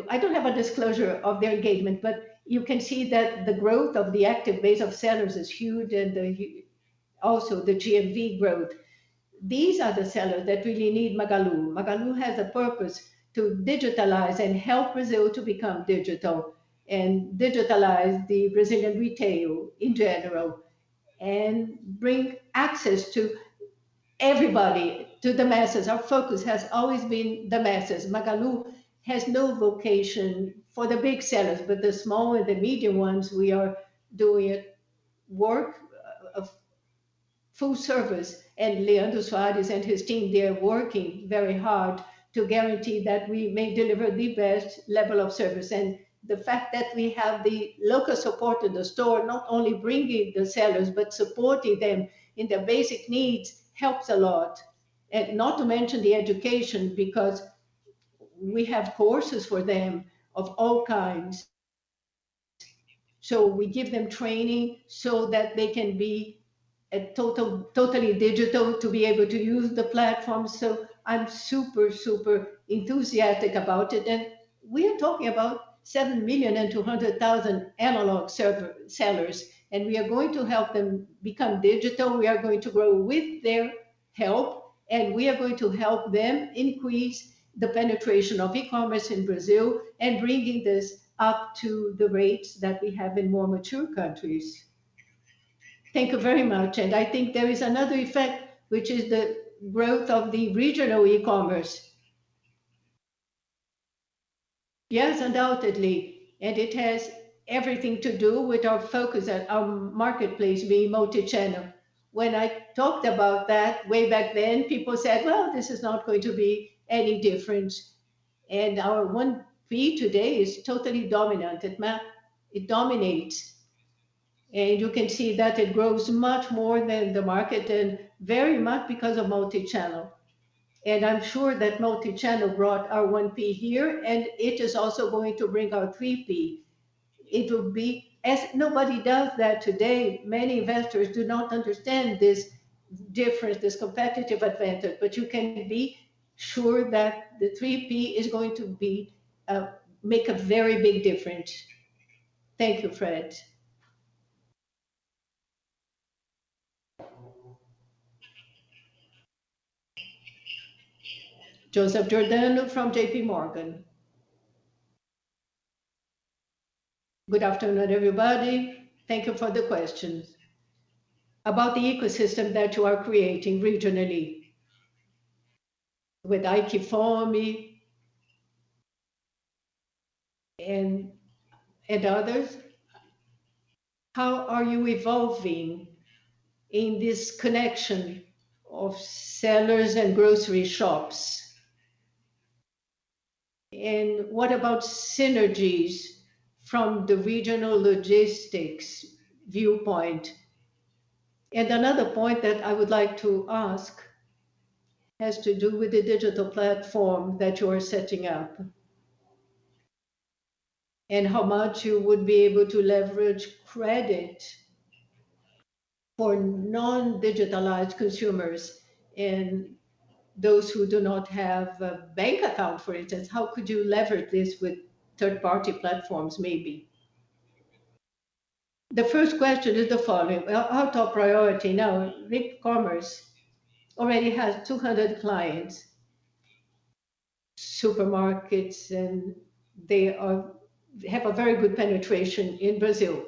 I don't have a disclosure of their engagement, but you can see that the growth of the active base of sellers is huge and also the GMV growth. These are the sellers that really need Magalu. Magalu has a purpose to digitalize and help Brazil to become digital and digitalize the Brazilian retail in general and bring access to everybody, to the masses. Our focus has always been the masses. Magalu has no vocation for the big sellers, the small and the medium ones, we are doing work of full service. Leandro Soares and his team, they are working very hard to guarantee that we may deliver the best level of service. The fact that we have the local support in the store, not only bringing the sellers, but supporting them in their basic needs, helps a lot. Not to mention the education, because we have courses for them of all kinds. We give them training so that they can be totally digital to be able to use the platform. I'm super enthusiastic about it. We are talking about 7,200,000 analog sellers, and we are going to help them become digital. We are going to grow with their help, and we are going to help them increase the penetration of e-commerce in Brazil and bringing this up to the rates that we have in more mature countries. Thank you very much. I think there is another effect, which is the growth of the regional e-commerce. Yes, undoubtedly. It has everything to do with our focus at our marketplace being multi-channel. When I talked about that way back then, people said, "Well, this is not going to be any different." Our 1P today is totally dominant. It dominates. You can see that it grows much more than the market, and very much because of multi-channel. I'm sure that multi-channel brought our 1P here, it is also going to bring our 3P. Nobody does that today. Many investors do not understand this difference, this competitive advantage. You can be sure that the 3P is going to make a very big difference. Thank you, Fred. Joseph Giordano from JPMorgan. Good afternoon, everybody. Thank you for the questions. About the ecosystem that you are creating regionally with Aiqfome and others, how are you evolving in this connection of sellers and grocery shops? What about synergies from the regional logistics viewpoint? Another point that I would like to ask has to do with the digital platform that you are setting up, and how much you would be able to leverage credit for non-digitalized consumers and those who do not have a bank account, for instance. How could you leverage this with third-party platforms, maybe? The first question is the following. Our top priority now, VipCommerce already has 200 clients, supermarkets, and they have a very good penetration in Brazil.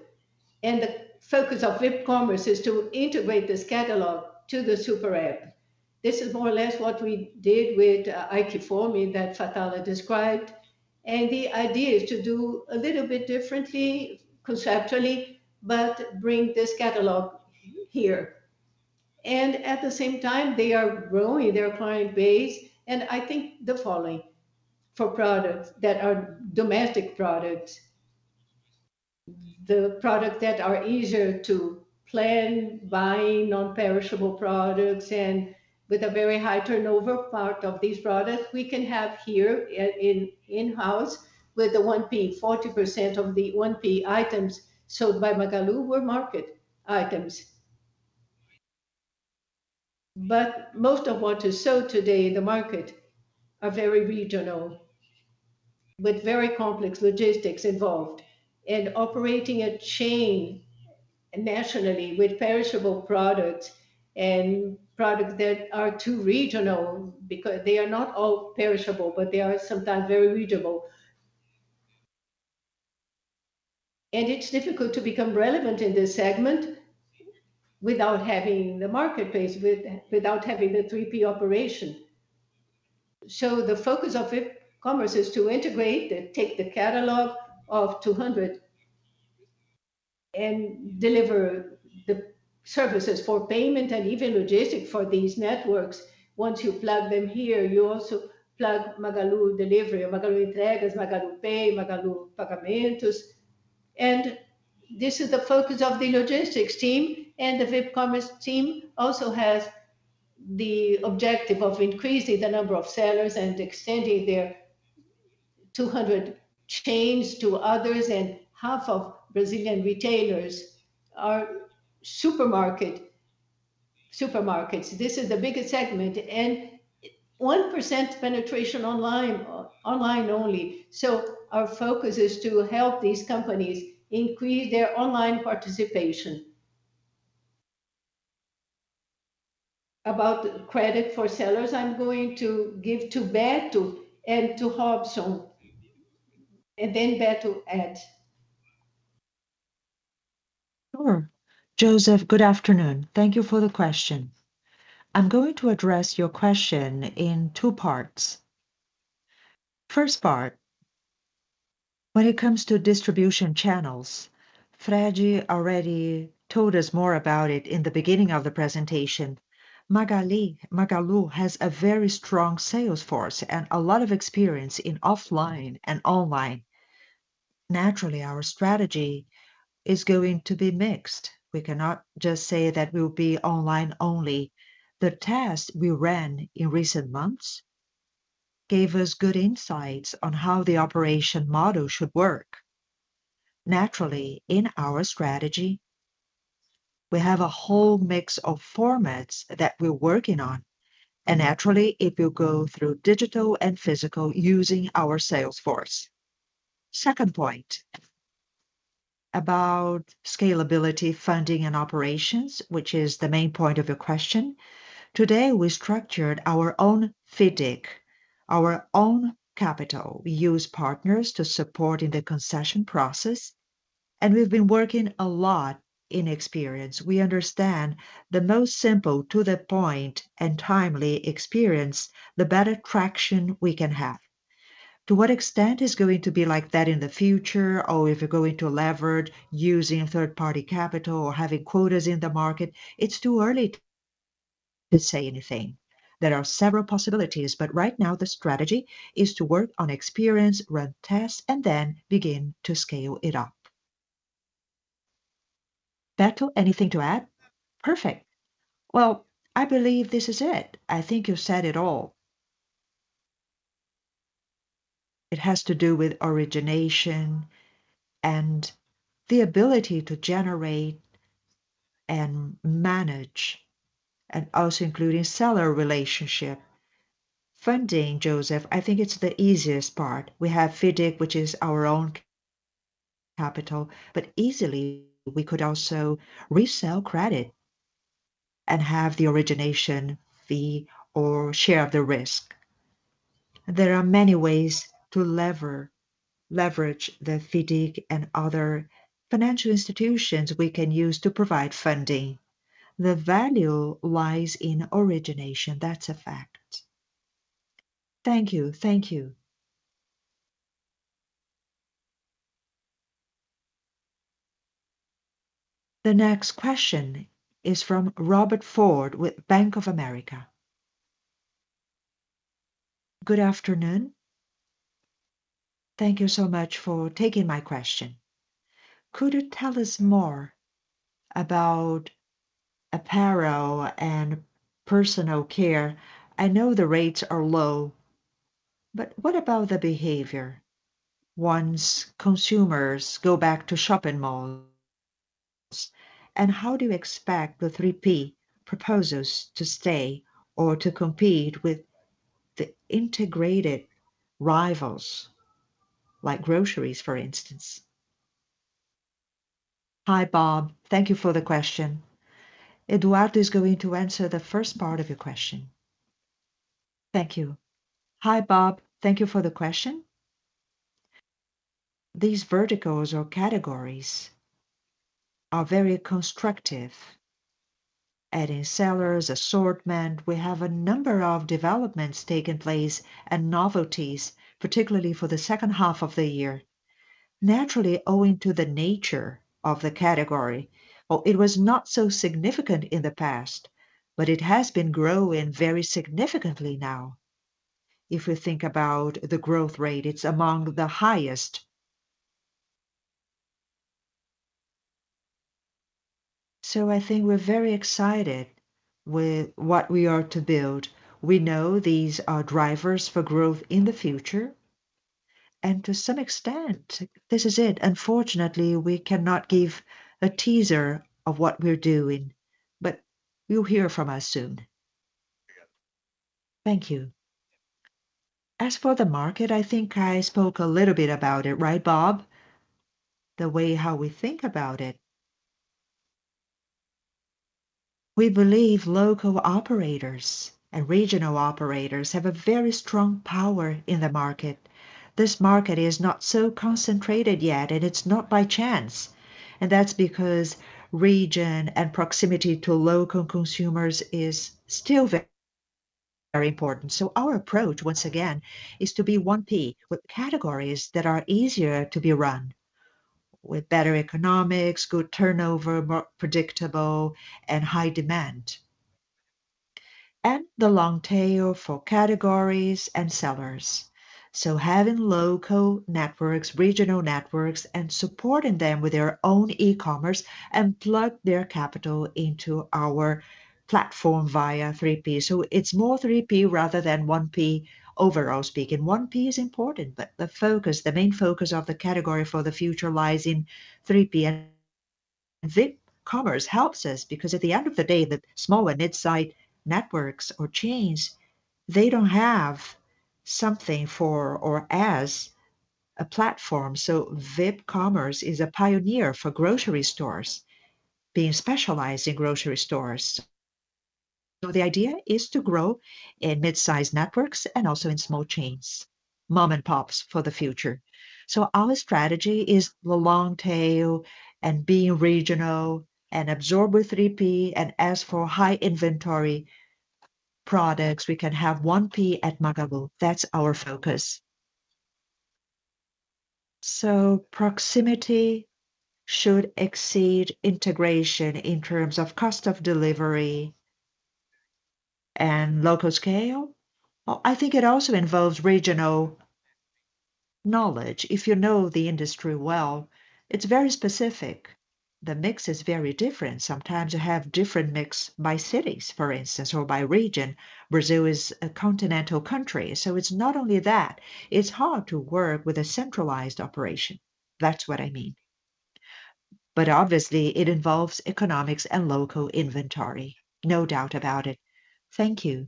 The focus of VipCommerce is to integrate this catalog to the SuperApp. This is more or less what we did with Aiqfome that Fatala described. The idea is to do a little bit differently conceptually, but bring this catalog here. At the same time, they are growing their client base. I think the following, for products that are domestic products, the product that are easier to plan, buying non-perishable products and with a very high turnover part of these products, we can have here in-house with the 1P. 40% of the 1P items sold by Magalu were market items. Most of what is sold today in the market are very regional with very complex logistics involved. Operating a chain nationally with perishable products and products that are too regional, because they are not all perishable, but they are sometimes very regional. It's difficult to become relevant in this segment without having the marketplace, without having the 3P operation. The focus of VipCommerce is to integrate and take the catalog of 200 and deliver the services for payment and even logistic for these networks. Once you plug them here, you also plug Magalu Delivery, Magalu Entregas, MagaluPay, Magalu Pagamentos. This is the focus of the logistics team, and the VipCommerce team also has the objective of increasing the number of sellers and extending their 200 chains to others, and half of Brazilian retailers are supermarkets. This is the biggest segment. 1% penetration online only. Our focus is to help these companies increase their online participation. About credit for sellers, I'm going to give to Beto and to Robson, and then Beto add Sure. Joseph, good afternoon. Thank you for the question. I'm going to address your question in two parts. First part, when it comes to distribution channels, Fred already told us more about it in the beginning of the presentation. Magalu has a very strong sales force and a lot of experience in offline and online. Our strategy is going to be mixed. We cannot just say that we'll be online only. The tests we ran in recent months gave us good insights on how the operation model should work. In our strategy, we have a whole mix of formats that we're working on, and naturally, it will go through digital and physical using our sales force. Second point, about scalability, funding, and operations, which is the main point of your question. Today, we structured our own FIDC, our own capital. We use partners to support in the concession process, and we've been working a lot in experience. We understand the most simple, to-the-point, and timely experience, the better traction we can have. To what extent is it going to be like that in the future, or if we're going to lever it using third-party capital or having quotas in the market? It's too early to say anything. There are several possibilities, but right now the strategy is to work on experience, run tests, and then begin to scale it up. Beto, anything to add? Perfect. Well, I believe this is it. I think you said it all. It has to do with origination and the ability to generate and manage, and also including seller relationship. Funding, Joseph, I think it's the easiest part. We have FIDC, which is our own capital, but easily we could also resell credit and have the origination fee or share of the risk. There are many ways to leverage the FIDC and other financial institutions we can use to provide funding. The value lies in origination, that's a fact. Thank you. The next question is from Robert Ford with Bank of America. Good afternoon. Thank you so much for taking my question. Could you tell us more about apparel and personal care? I know the rates are low, but what about the behavior once consumers go back to shopping malls? How do you expect the 3P proposals to stay or to compete with the integrated rivals like groceries, for instance? Hi, Bob. Thank you for the question. Eduardo is going to answer the first part of your question. Thank you. Hi, Bob. Thank you for the question. These verticals or categories are very constructive. Adding sellers, assortment, we have a number of developments taking place and novelties, particularly for the second half of the year. Naturally, owing to the nature of the category, it was not so significant in the past, but it has been growing very significantly now. If we think about the growth rate, it is among the highest. I think we are very excited with what we are to build. We know these are drivers for growth in the future, and to some extent, this is it. Unfortunately, we cannot give a teaser of what we are doing, but you will hear from us soon. Thank you. As for the market, I think I spoke a little bit about it, right, Bob, the way how we think about it. We believe local operators and regional operators have a very strong power in the market. This market is not so concentrated yet, and it's not by chance, and that's because region and proximity to local consumers is still very important. Our approach, once again, is to be 1P with categories that are easier to be run, with better economics, good turnover, more predictable and high demand. The long tail for categories and sellers. Having local networks, regional networks, and supporting them with their own e-commerce and plug their capital into our platform via 3P. It's more 3P rather than 1P overall speaking. 1P is important, but the main focus of the category for the future lies in 3P, and VipCommerce helps us because at the end of the day, the small and mid-size networks or chains, they don't have something for or as a platform. VipCommerce is a pioneer for grocery stores, being specialized in grocery stores The idea is to grow in mid-size networks and also in small chains, mom and pops for the future. Our strategy is the long tail and being regional and absorb with 3P, and as for high inventory products, we can have 1P at Magalu. That's our focus. Proximity should exceed integration in terms of cost of delivery and local scale. I think it also involves regional knowledge. If you know the industry well, it's very specific. The mix is very different. Sometimes you have different mix by cities, for instance, or by region. Brazil is a continental country, so it's not only that. It's hard to work with a centralized operation. That's what I mean. Obviously it involves economics and local inventory. No doubt about it. Thank you.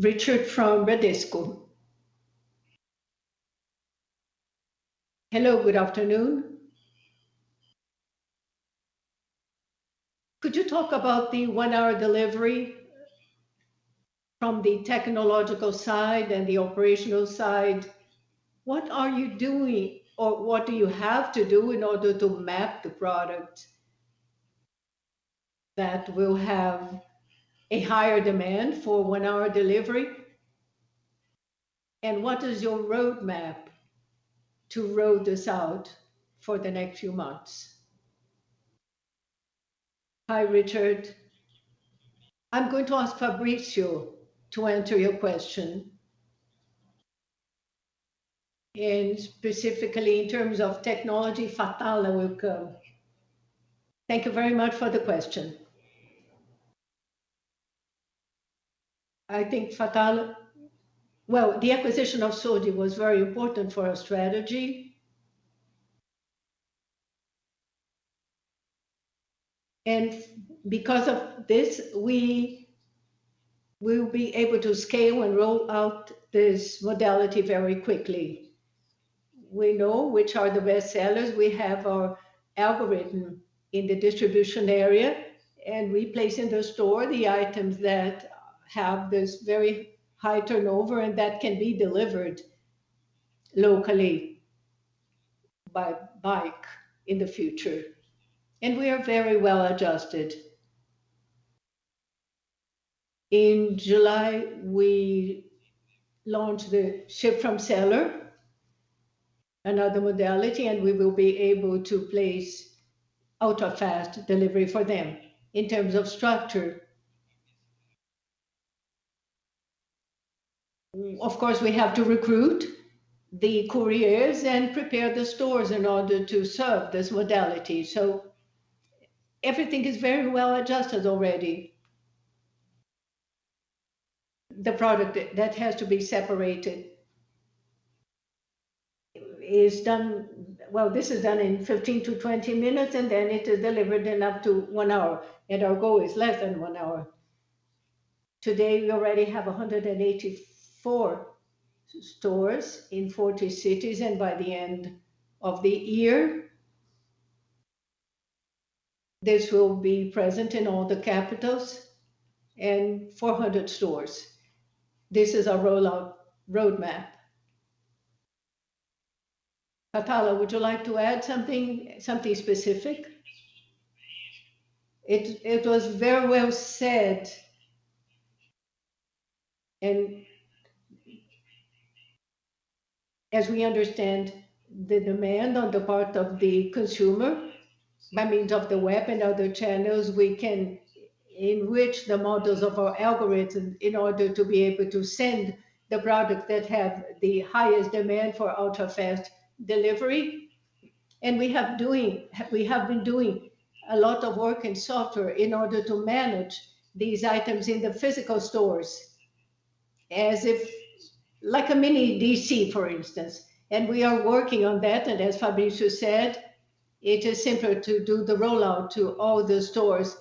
Richard from Bradesco BBI. Hello, good afternoon. Could you talk about the one-hour delivery from the technological side and the operational side? What are you doing, or what do you have to do in order to map the product that will have a higher demand for one-hour delivery? What is your roadmap to roll this out for the next few months? Hi, Richard. I'm going to ask Fabrício to answer your question. Specifically in terms of technology, Fatala will go. Thank you very much for the question. Well, the acquisition of Sode was very important for our strategy. Because of this, we will be able to scale and roll out this modality very quickly. We know which are the best sellers. We have our algorithm in the distribution area. We place in the store the items that have this very high turnover and that can be delivered locally by bike in the future. We are very well-adjusted. In July, we launched the ship from seller, another modality. We will be able to place ultra-fast delivery for them in terms of structure. Of course, we have to recruit the couriers and prepare the stores in order to serve this modality. Everything is very well-adjusted already. The product that has to be separated, this is done in 15-20 minutes, and then it is delivered in up to one hour, and our goal is less than one hour. Today, we already have 184 stores in 40 cities. By the end of the year, this will be present in all the capitals and 400 stores. This is our rollout roadmap. Fatala, would you like to add something specific? It was very well said. As we understand the demand on the part of the consumer by means of the web and other channels, we can enrich the models of our algorithm in order to be able to send the product that have the highest demand for ultra-fast delivery. We have been doing a lot of work in software in order to manage these items in the physical stores, like a mini DC, for instance. We are working on that, and as Fabrício said, it is simpler to do the rollout to all the stores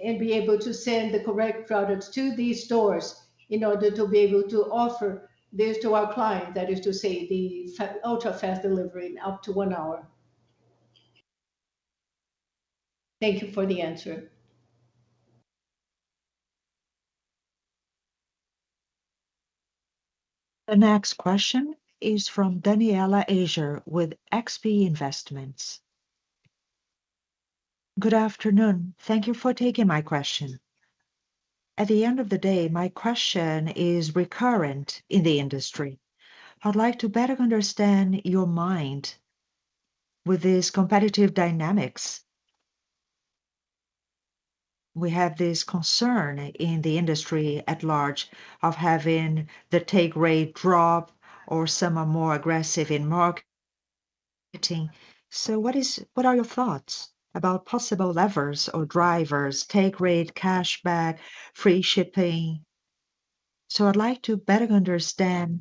and be able to send the correct products to these stores in order to be able to offer this to our client, that is to say, the ultra-fast delivery in up to one hour. Thank you for the answer. The next question is from Danniela Eiger with XP Investimentos. Good afternoon. Thank you for taking my question. At the end of the day, my question is recurrent in the industry. I'd like to better understand your mind with these competitive dynamics. We have this concern in the industry at large of having the take rate drop or some are more aggressive in marketing. What are your thoughts about possible levers or drivers, take rate, cashback, free shipping? I'd like to better understand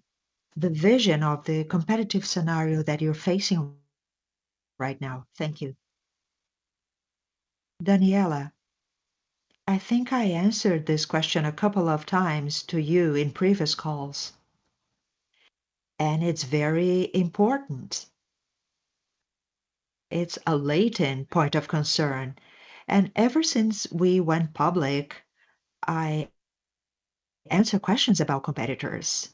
the vision of the competitive scenario that you're facing right now. Thank you, Danniela, I think I answered this question a couple of times to you in previous calls, and it's very important. It's a latent point of concern. Ever since we went public, I answer questions about competitors.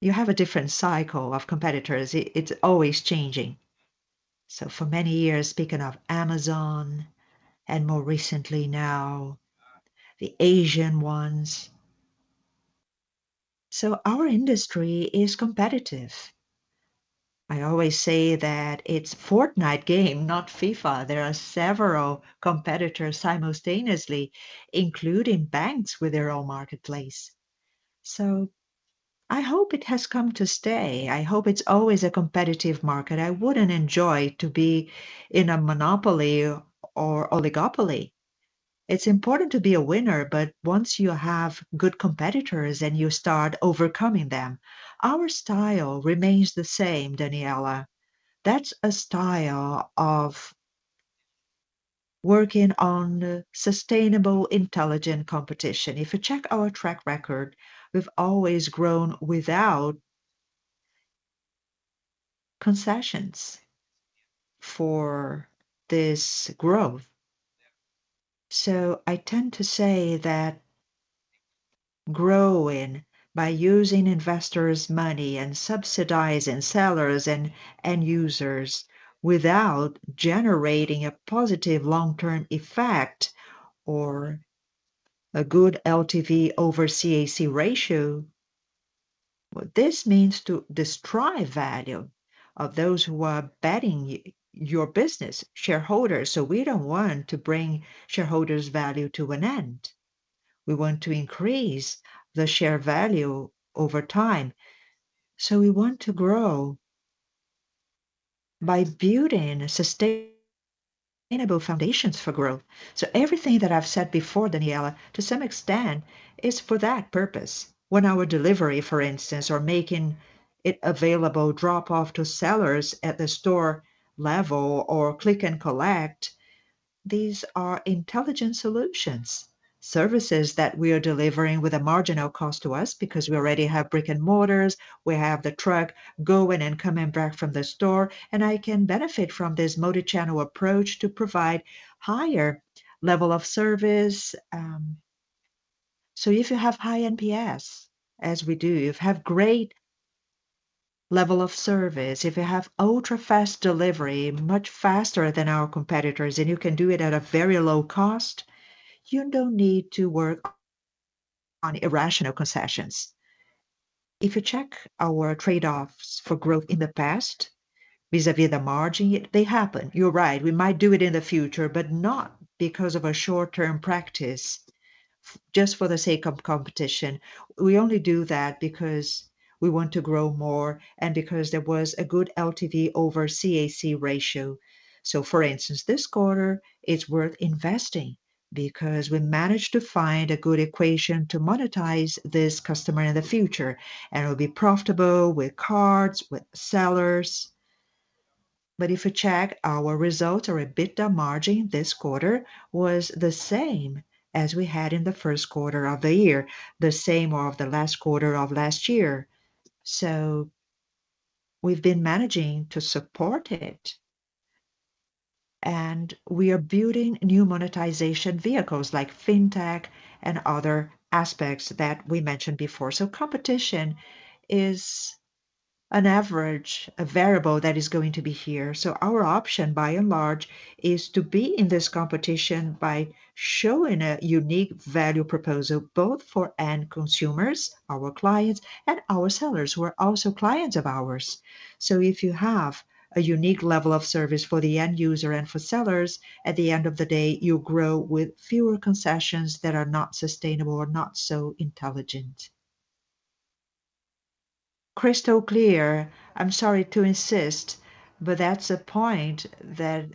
You have a different cycle of competitors. It's always changing. For many years, speaking of Amazon, and more recently now, the Asian ones. Our industry is competitive. I always say that it's Fortnite game, not FIFA. There are several competitors simultaneously, including banks with their own marketplace. I hope it has come to stay. I hope it's always a competitive market. I wouldn't enjoy to be in a monopoly or oligopoly. It's important to be a winner, but once you have good competitors, and you start overcoming them. Our style remains the same, Danniela. That's a style of working on sustainable, intelligent competition. If you check our track record, we've always grown without concessions for this growth. I tend to say that growing by using investors' money and subsidizing sellers and end users without generating a positive long-term effect or a good LTV over CAC ratio, this means to destroy value of those who are betting your business, shareholders. We don't want to bring shareholders' value to an end. We want to increase the share value over time. We want to grow by building sustainable foundations for growth. Everything that I've said before, Danniela, to some extent, is for that purpose. One hour delivery, for instance, or making it available drop off to sellers at the store level or click and collect, these are intelligent solutions. Services that we are delivering with a marginal cost to us because we already have brick and mortars. We have the truck going and coming back from the store, and I can benefit from this multi-channel approach to provide higher level of service. If you have high NPS, as we do, you have great level of service. If you have ultra-fast delivery, much faster than our competitors, and you can do it at a very low cost, you don't need to work on irrational concessions. If you check our trade-offs for growth in the past vis-à-vis the margin, they happen. You're right. We might do it in the future, but not because of a short-term practice just for the sake of competition. We only do that because we want to grow more and because there was a good LTV over CAC ratio. For instance, this quarter, it's worth investing because we managed to find a good equation to monetize this customer in the future, and it'll be profitable with cards, with sellers. If you check our results or EBITDA margin this quarter was the same as we had in the first quarter of the year, the same of the last quarter of last year. We've been managing to support it, and we are building new monetization vehicles like fintech and other aspects that we mentioned before. Competition is an average, a variable that is going to be here. Our option, by and large, is to be in this competition by showing a unique value proposal both for end consumers, our clients, and our sellers, who are also clients of ours. If you have a unique level of service for the end user and for sellers, at the end of the day, you grow with fewer concessions that are not sustainable or not so intelligent. Crystal clear. I'm sorry to insist, but that's a point that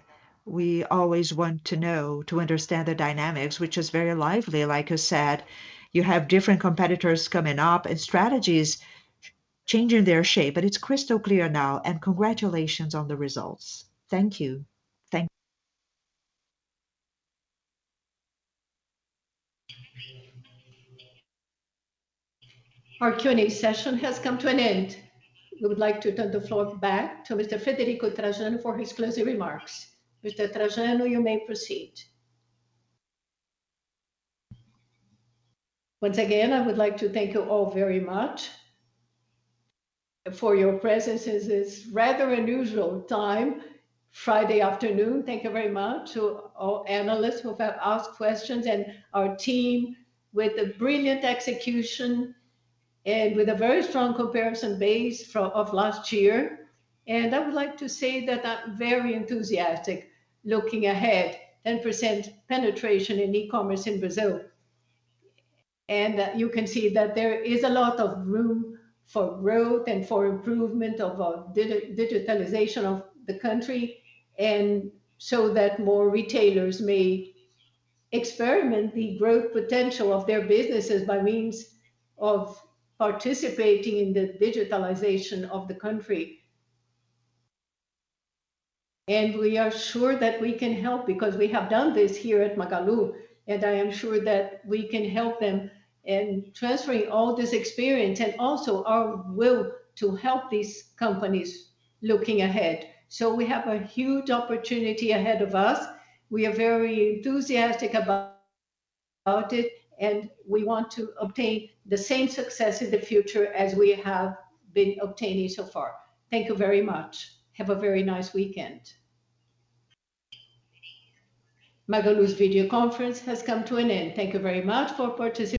we always want to know to understand the dynamics, which is very lively. Like you said, you have different competitors coming up and strategies changing their shape. It's crystal clear now, and congratulations on the results. Thank you. Our Q&A session has come to an end. We would like to turn the floor back to Mr. Frederico Trajano for his closing remarks. Mr. Trajano, you may proceed. Once again, I would like to thank you all very much for your presence. It's rather unusual time, Friday afternoon. Thank you very much to all analysts who have asked questions and our team with the brilliant execution and with a very strong comparison base of last year. I would like to say that I'm very enthusiastic looking ahead. 10% penetration in e-commerce in Brazil. You can see that there is a lot of room for growth and for improvement of digitalization of the country, and so that more retailers may experience the growth potential of their businesses by means of participating in the digitalization of the country. We are sure that we can help because we have done this here at Magalu, and I am sure that we can help them in transferring all this experience and also our will to help these companies looking ahead. We have a huge opportunity ahead of us. We are very enthusiastic about it, and we want to obtain the same success in the future as we have been obtaining so far. Thank you very much. Have a very nice weekend. Magalu's video conference has come to an end. Thank you very much for participating